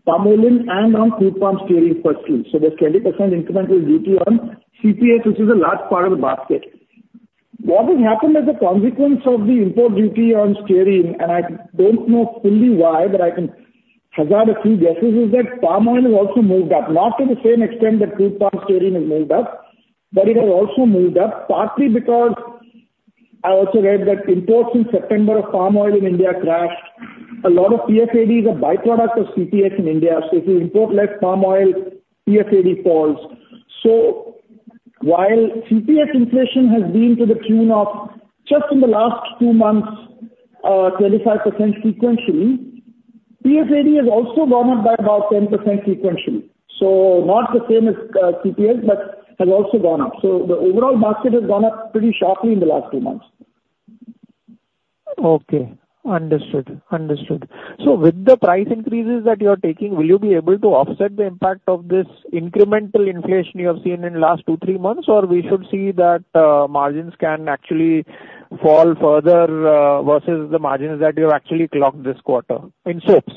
palm oil and on crude palm stearin, firstly. So there's 20% incremental duty on CPS, which is a large part of the basket. What has happened as a consequence of the import duty on stearin, and I don't know fully why, but I can hazard a few guesses, is that palm oil has also moved up. Not to the same extent that crude palm stearin has moved up, but it has also moved up, partly because I also read that imports in September of palm oil in India crashed. A lot of PFAD is a by-product of CPS in India. So if you import less palm oil, PFAD falls. So while CPS inflation has been to the tune of, just in the last two months, 25% sequentially, PFAD has also gone up by about 10% sequentially. So not the same as, CPS, but has also gone up. So the overall market has gone up pretty sharply in the last two months. Okay, understood. Understood. So with the price increases that you're taking, will you be able to offset the impact of this incremental inflation you have seen in last 2 months, 3 months? Or we should see that, margins can actually fall further, versus the margins that you have actually clocked this quarter in soaps?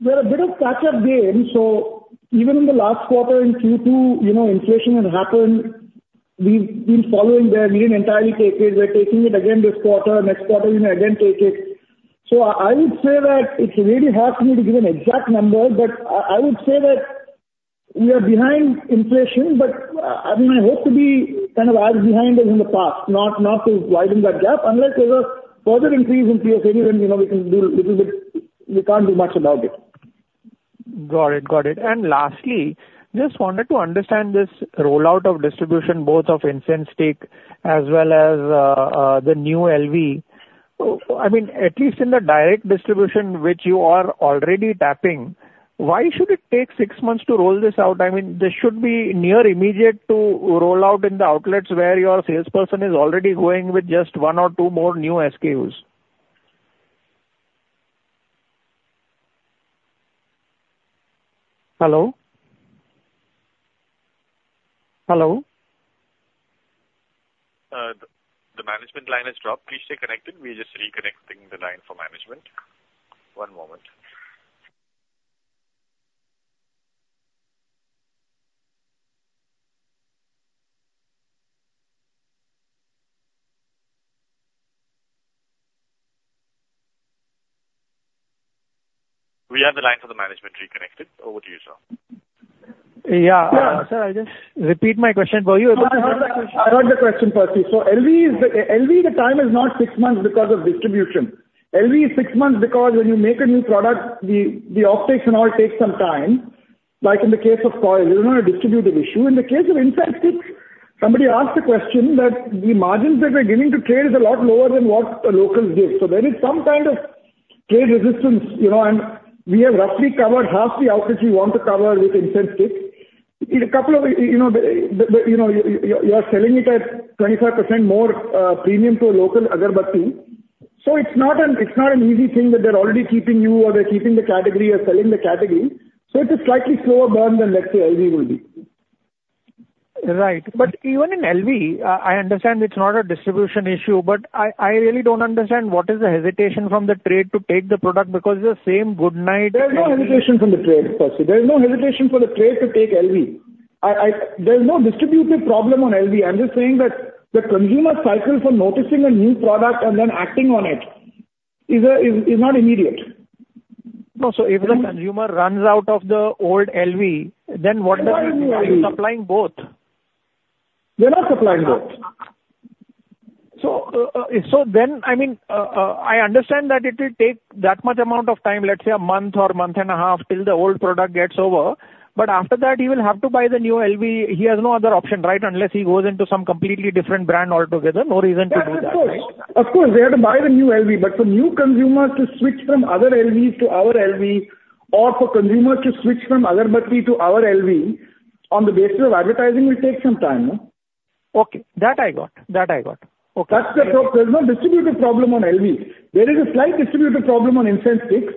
We're a bit of catch-up game, so even in the last quarter, in Q2, you know, inflation had happened. We've been following where we entirely take it. We're taking it again this quarter, next quarter, we again take it. So I would say that it's really hard for me to give an exact number, but I would say that we are behind inflation, but I mean, I hope to be kind of as behind as in the past, not to widen that gap unless there's a further increase in CPS, then, you know, we can do little bit, we can't do much about it. Got it. Got it. And lastly, just wanted to understand this rollout of distribution, both of incense stick as well as, the new LV. I mean, at least in the direct distribution, which you are already tapping, why should it take six months to roll this out? I mean, this should be near immediate to roll out in the outlets where your salesperson is already going with just one or two more new SKUs. Hello? Hello? The management line has dropped. Please stay connected. We're just reconnecting the line for management. One moment. We have the line for the management reconnected. Over to you, sir. Yeah. Sir, I'll just repeat my question for you. I got the question, Percy. So LV is the LV, the time is not six months because of distribution. LV is 6 months because when you make a new product, the logistics and all take some time, like in the case of coil, it's not a distribution issue. In the case of incense sticks, somebody asked a question that the margins that we're giving to trade is a lot lower than what the locals give. So there is some kind of trade resistance, you know, and we have roughly covered half the outlets we want to cover with incense sticks. In a couple of, you know, you know, you are selling it at 25% more premium to a local agarbatti. So it's not an easy thing that they're already keeping you or they're keeping the category or selling the category, so it's a slightly slower burn than, let's say, LV will be. Right. But even in LV, I understand it's not a distribution issue, but I really don't understand what is the hesitation from the trade to take the product, because it's the same Good Knight- There is no hesitation from the trade, Percy. There is no hesitation for the trade to take LV. There's no distribution problem on LV. I'm just saying that the consumer cycle for noticing a new product and then acting on it is not immediate. No, so if the consumer runs out of the old LV, then what the- The new LV. Are you supplying both? We're not supplying both. So then, I mean, I understand that it will take that much amount of time, let's say a month or month and a half, till the old product gets over. But after that, he will have to buy the new LV. He has no other option, right? Unless he goes into some completely different brand altogether, no reason to do that, right? Of course, they have to buy the new LV, but for new consumers to switch from other LVs to our LV, or for consumers to switch from agarbatti to our LV, on the basis of advertising, will take some time, no? Okay. That I got. Okay. That's the top. There's no distributive problem on LV. There is a slight distributive problem on incense sticks.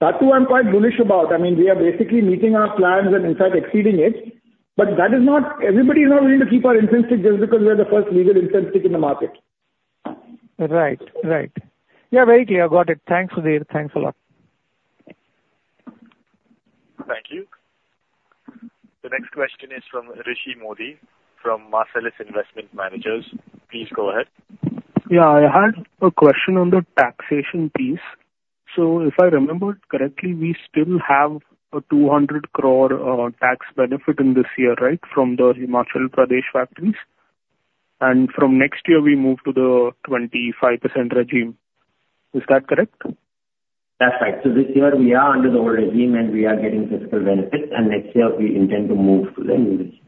That one I'm quite bullish about. I mean, we are basically meeting our plans and in fact exceeding it. But that is not, everybody is not going to keep our incense sticks just because we are the first leading incense stick in the market. Right. Right. Yeah, very clear. Got it. Thanks, Sudhir. Thanks a lot. Thank you. The next question is from Rishi Modi, from Marcellus Investment Managers. Please go ahead. Yeah, I had a question on the taxation piece. So if I remember it correctly, we still have 200 crore tax benefit in this year, right, from the Himachal Pradesh factories, and from next year, we move to the 25% regime. Is that correct? That's right. So this year we are under the old regime, and we are getting fiscal benefits, and next year we intend to move to the new regime.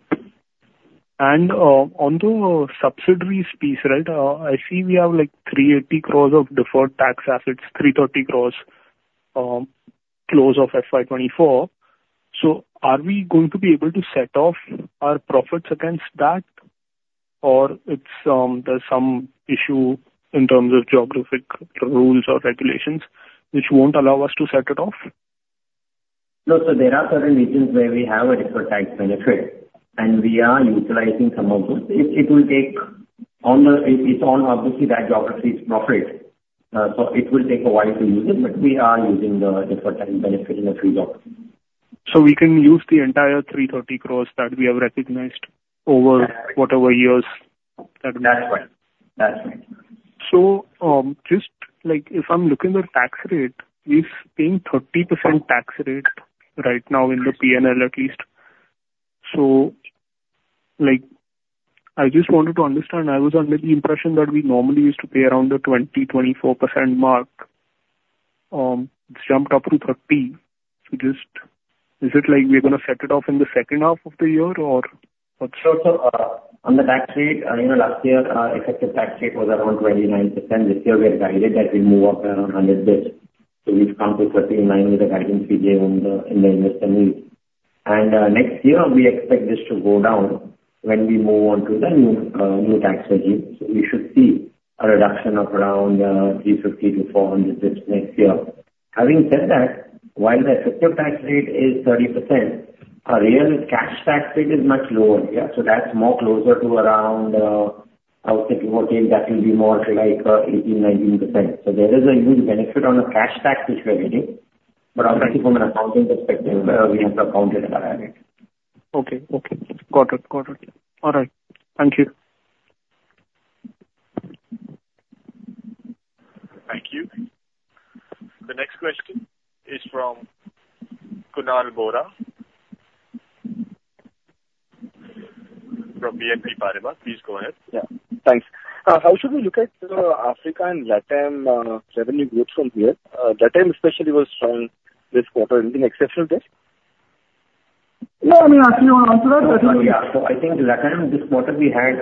On the subsidiaries piece, right, I see we have, like, 380 crores of deferred tax assets, 330 crores, close of FY 2024. So are we going to be able to set off our profits against that? Or it's, there's some issue in terms of geographic rules or regulations which won't allow us to set it off? No, so there are certain regions where we have a different tax benefit, and we are utilizing some of them. It will take on the, it's obviously on that geography's profit, so it will take a while to use it, but we are using the different tax benefit in a few geographies. So we can use the entire 330 crores that we have recognized over- That's right. Whatever years? That's right. That's right. So, just, like, if I'm looking at tax rate, we're paying 30% tax rate right now in the PNL at least. So, like, I just wanted to understand, I was under the impression that we normally used to pay around the 20%-24% mark. It's jumped up to 30%. So just, is it like we're gonna set it off in the second half of the year, or? So on the tax rate, you know, last year effective tax rate was around 29%. This year, we had guided that we move up around 100 basis points. So we've come to 13.9% with the guidance we gave in the investor meeting. And next year, we expect this to go down when we move on to the new tax regime. So we should see a reduction of around 350 basis points-400 basis points next year. Having said that, while the effective tax rate is 30%, our real cash tax rate is much lower, yeah? So that's more closer to around. I would say 14%, that will be more like 18%, 19%. So there is a huge benefit on the cash back which we are getting, but actually from an accounting perspective, we have to account it in our P&L. Okay. Okay, got it. Got it. All right, thank you. Thank you. The next question is from Kunal Vora from BNP Paribas. Please go ahead. Yeah, thanks. How should we look at Africa and LatAm revenue growth from here? LatAm especially was strong this quarter. Has been exceptional there? No, I mean, actually, you want to answer that? Yeah. So I think LatAm this quarter we had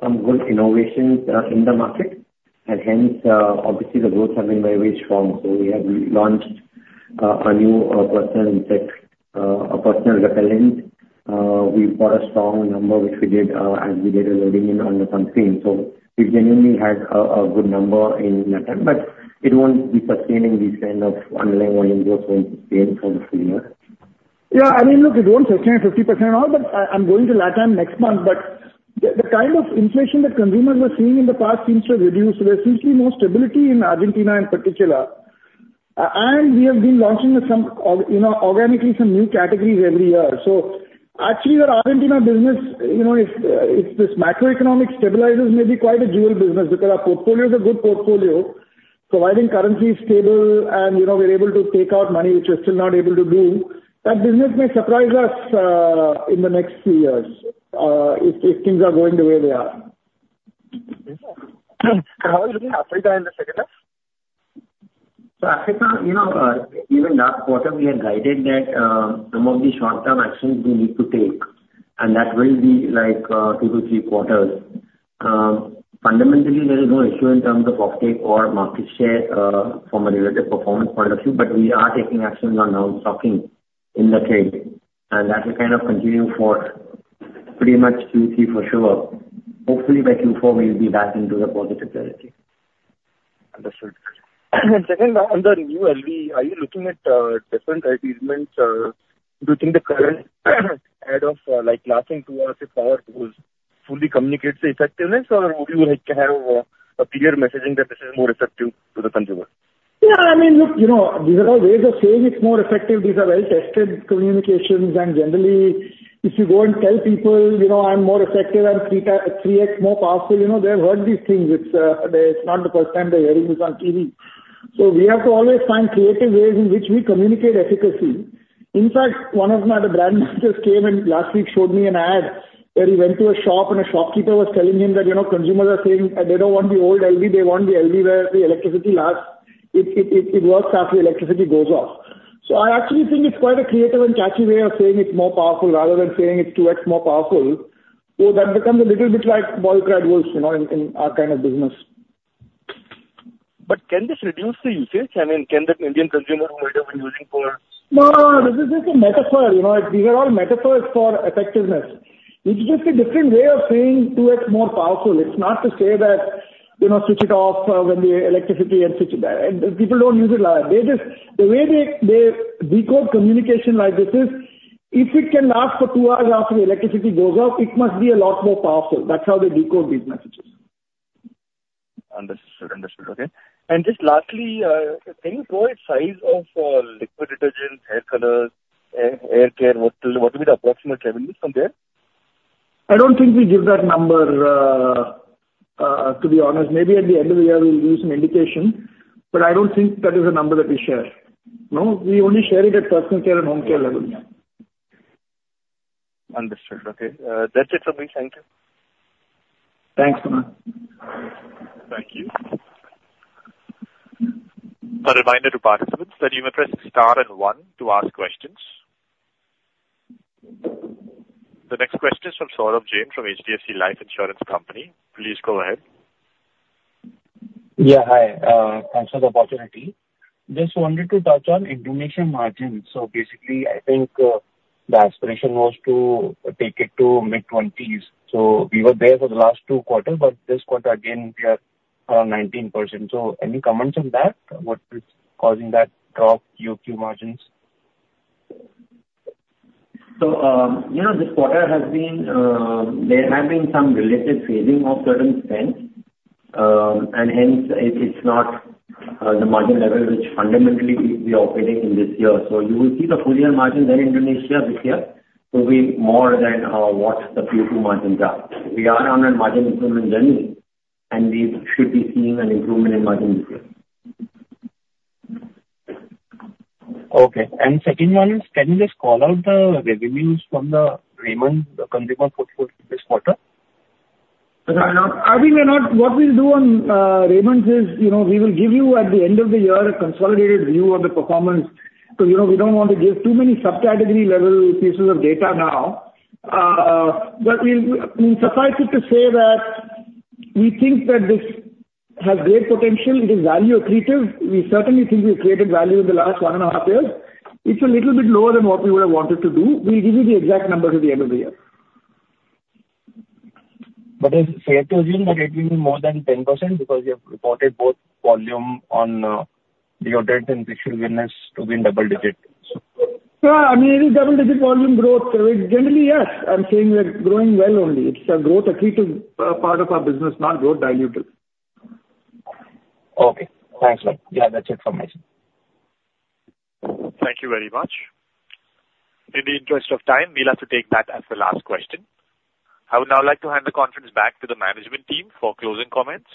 some good innovations in the market, and hence obviously the growth has been very strong. So we have launched a new personal insect repellent. We've got a strong number which we did as we did a loading in one country. So we genuinely had a good number in LatAm, but it won't be sustaining this kind of underlying volume growth in for the full year. Yeah, I mean, look, it won't sustain 50% all, but I, I'm going to LatAm next month. But the, the kind of inflation that consumers were seeing in the past seems to have reduced. There seems to be more stability in Argentina, in particular. And we have been launching some organically, you know, some new categories every year. So actually, our Argentina business, you know, if this macroeconomic stabilizes, may be quite a jewel business because our portfolio is a good portfolio. Providing currency is stable and, you know, we're able to take out money, which we're still not able to do, that business may surprise us in the next few years if things are going the way they are. How is Africa in the second half? So, Africa, you know, even last quarter, we had guided that some of the short-term actions we need to take, and that will be like two to three quarters. Fundamentally, there is no issue in terms of offtake or market share from a relative performance point of view, but we are taking actions on now stocking in the trade, and that will kind of continue for pretty much Q3 for sure. Hopefully by Q4 we'll be back into the positive territory. Understood. And second, on the review, are you looking at different agreements within the current head of like lasting two hours of power, those fully communicates the effectiveness? Or would you like to have a clear messaging that this is more effective to the consumer? Yeah, I mean, look, you know, these are all ways of saying it's more effective. These are well-tested communications, and generally, if you go and tell people, "You know, I'm more effective, I'm three ti- three X more powerful," you know, they've heard these things. It's, they, it's not the first time they're hearing this on TV. So we have to always find creative ways in which we communicate efficacy. In fact, one of my other brand managers came in last week, showed me an ad, where he went to a shop, and the shopkeeper was telling him that, "You know, consumers are saying, they don't want the old LV, they want the LV, where the electricity lasts. It works after the electricity goes off." So I actually think it's quite a creative and catchy way of saying it's more powerful, rather than saying it's 2x more powerful. So that becomes a little bit like boy who cried wolf, you know, in our kind of business. But can this reduce the usage? I mean, can the Indian consumer who might have been using for- No, this is just a metaphor. You know, these are all metaphors for effectiveness. It's just a different way of saying 2x more powerful. It's not to say that, you know, switch it off when the electricity and switch it back. People don't use it like that. The way they decode communication like this is, if it can last for two hours after the electricity goes off, it must be a lot more powerful. That's how they decode these messages. Understood. Understood. Okay. And just lastly, can you provide size of liquid detergent, hair colors, hair care? What will be the approximate revenues from there? I don't think we give that number, to be honest. Maybe at the end of the year, we'll give you some indication, but I don't think that is a number that we share. No, we only share it at personal care and home care level. Understood. Okay. That's it for me. Thank you. Thanks, Kunal. Thank you. A reminder to participants that you may press Star and One to ask questions. The next question is from Saurabh Jain, from HDFC Life Insurance Company. Please go ahead. Yeah, hi. Thanks for the opportunity. Just wanted to touch on Indonesia margins. So basically, I think, the aspiration was to take it to mid-20s. So we were there for the last two quarters, but this quarter, again, we are 19%. So any comments on that? What is causing that drop QoQ margins? So, you know, this quarter has been, there have been some related phasing of certain spends. And hence, it's not the margin level, which fundamentally we operating in this year. So you will see the full year margin there in Indonesia this year to be more than what the Q2 margins are. We are on a margin improvement journey, and we should be seeing an improvement in margin this year. Okay. And second one is, can you just call out the revenues from the Raymond consumer portfolio this quarter? I think we're not, what we'll do on Raymond's is, you know, we will give you, at the end of the year, a consolidated view of the performance. So, you know, we don't want to give too many sub-category level pieces of data now. But suffice it to say that we think that this has great potential. It is value accretive. We certainly think we've created value in the last one and a half years. It's a little bit lower than what we would have wanted to do. We'll give you the exact number at the end of the year. But is it fair to assume that it will be more than 10%, because you have reported both volume on deodorant and facial wellness to be in double digits? Yeah, I mean, it is double-digit volume growth, so it's generally, yes. I'm saying we're growing well only. It's a growth accretive, part of our business, not growth dilutive. Okay. Thanks a lot. Yeah, that's it from my side. Thank you very much. In the interest of time, we'll have to take that as the last question. I would now like to hand the conference back to the management team for closing comments.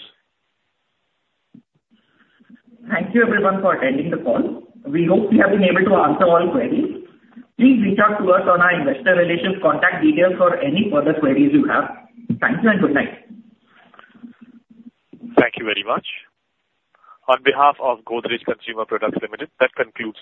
Thank you, everyone, for attending the call. We hope we have been able to answer all queries. Please reach out to us on our investor relations contact details for any further queries you have. Thank you and good night. Thank you very much. On behalf of Godrej Consumer Products Limited, that concludes.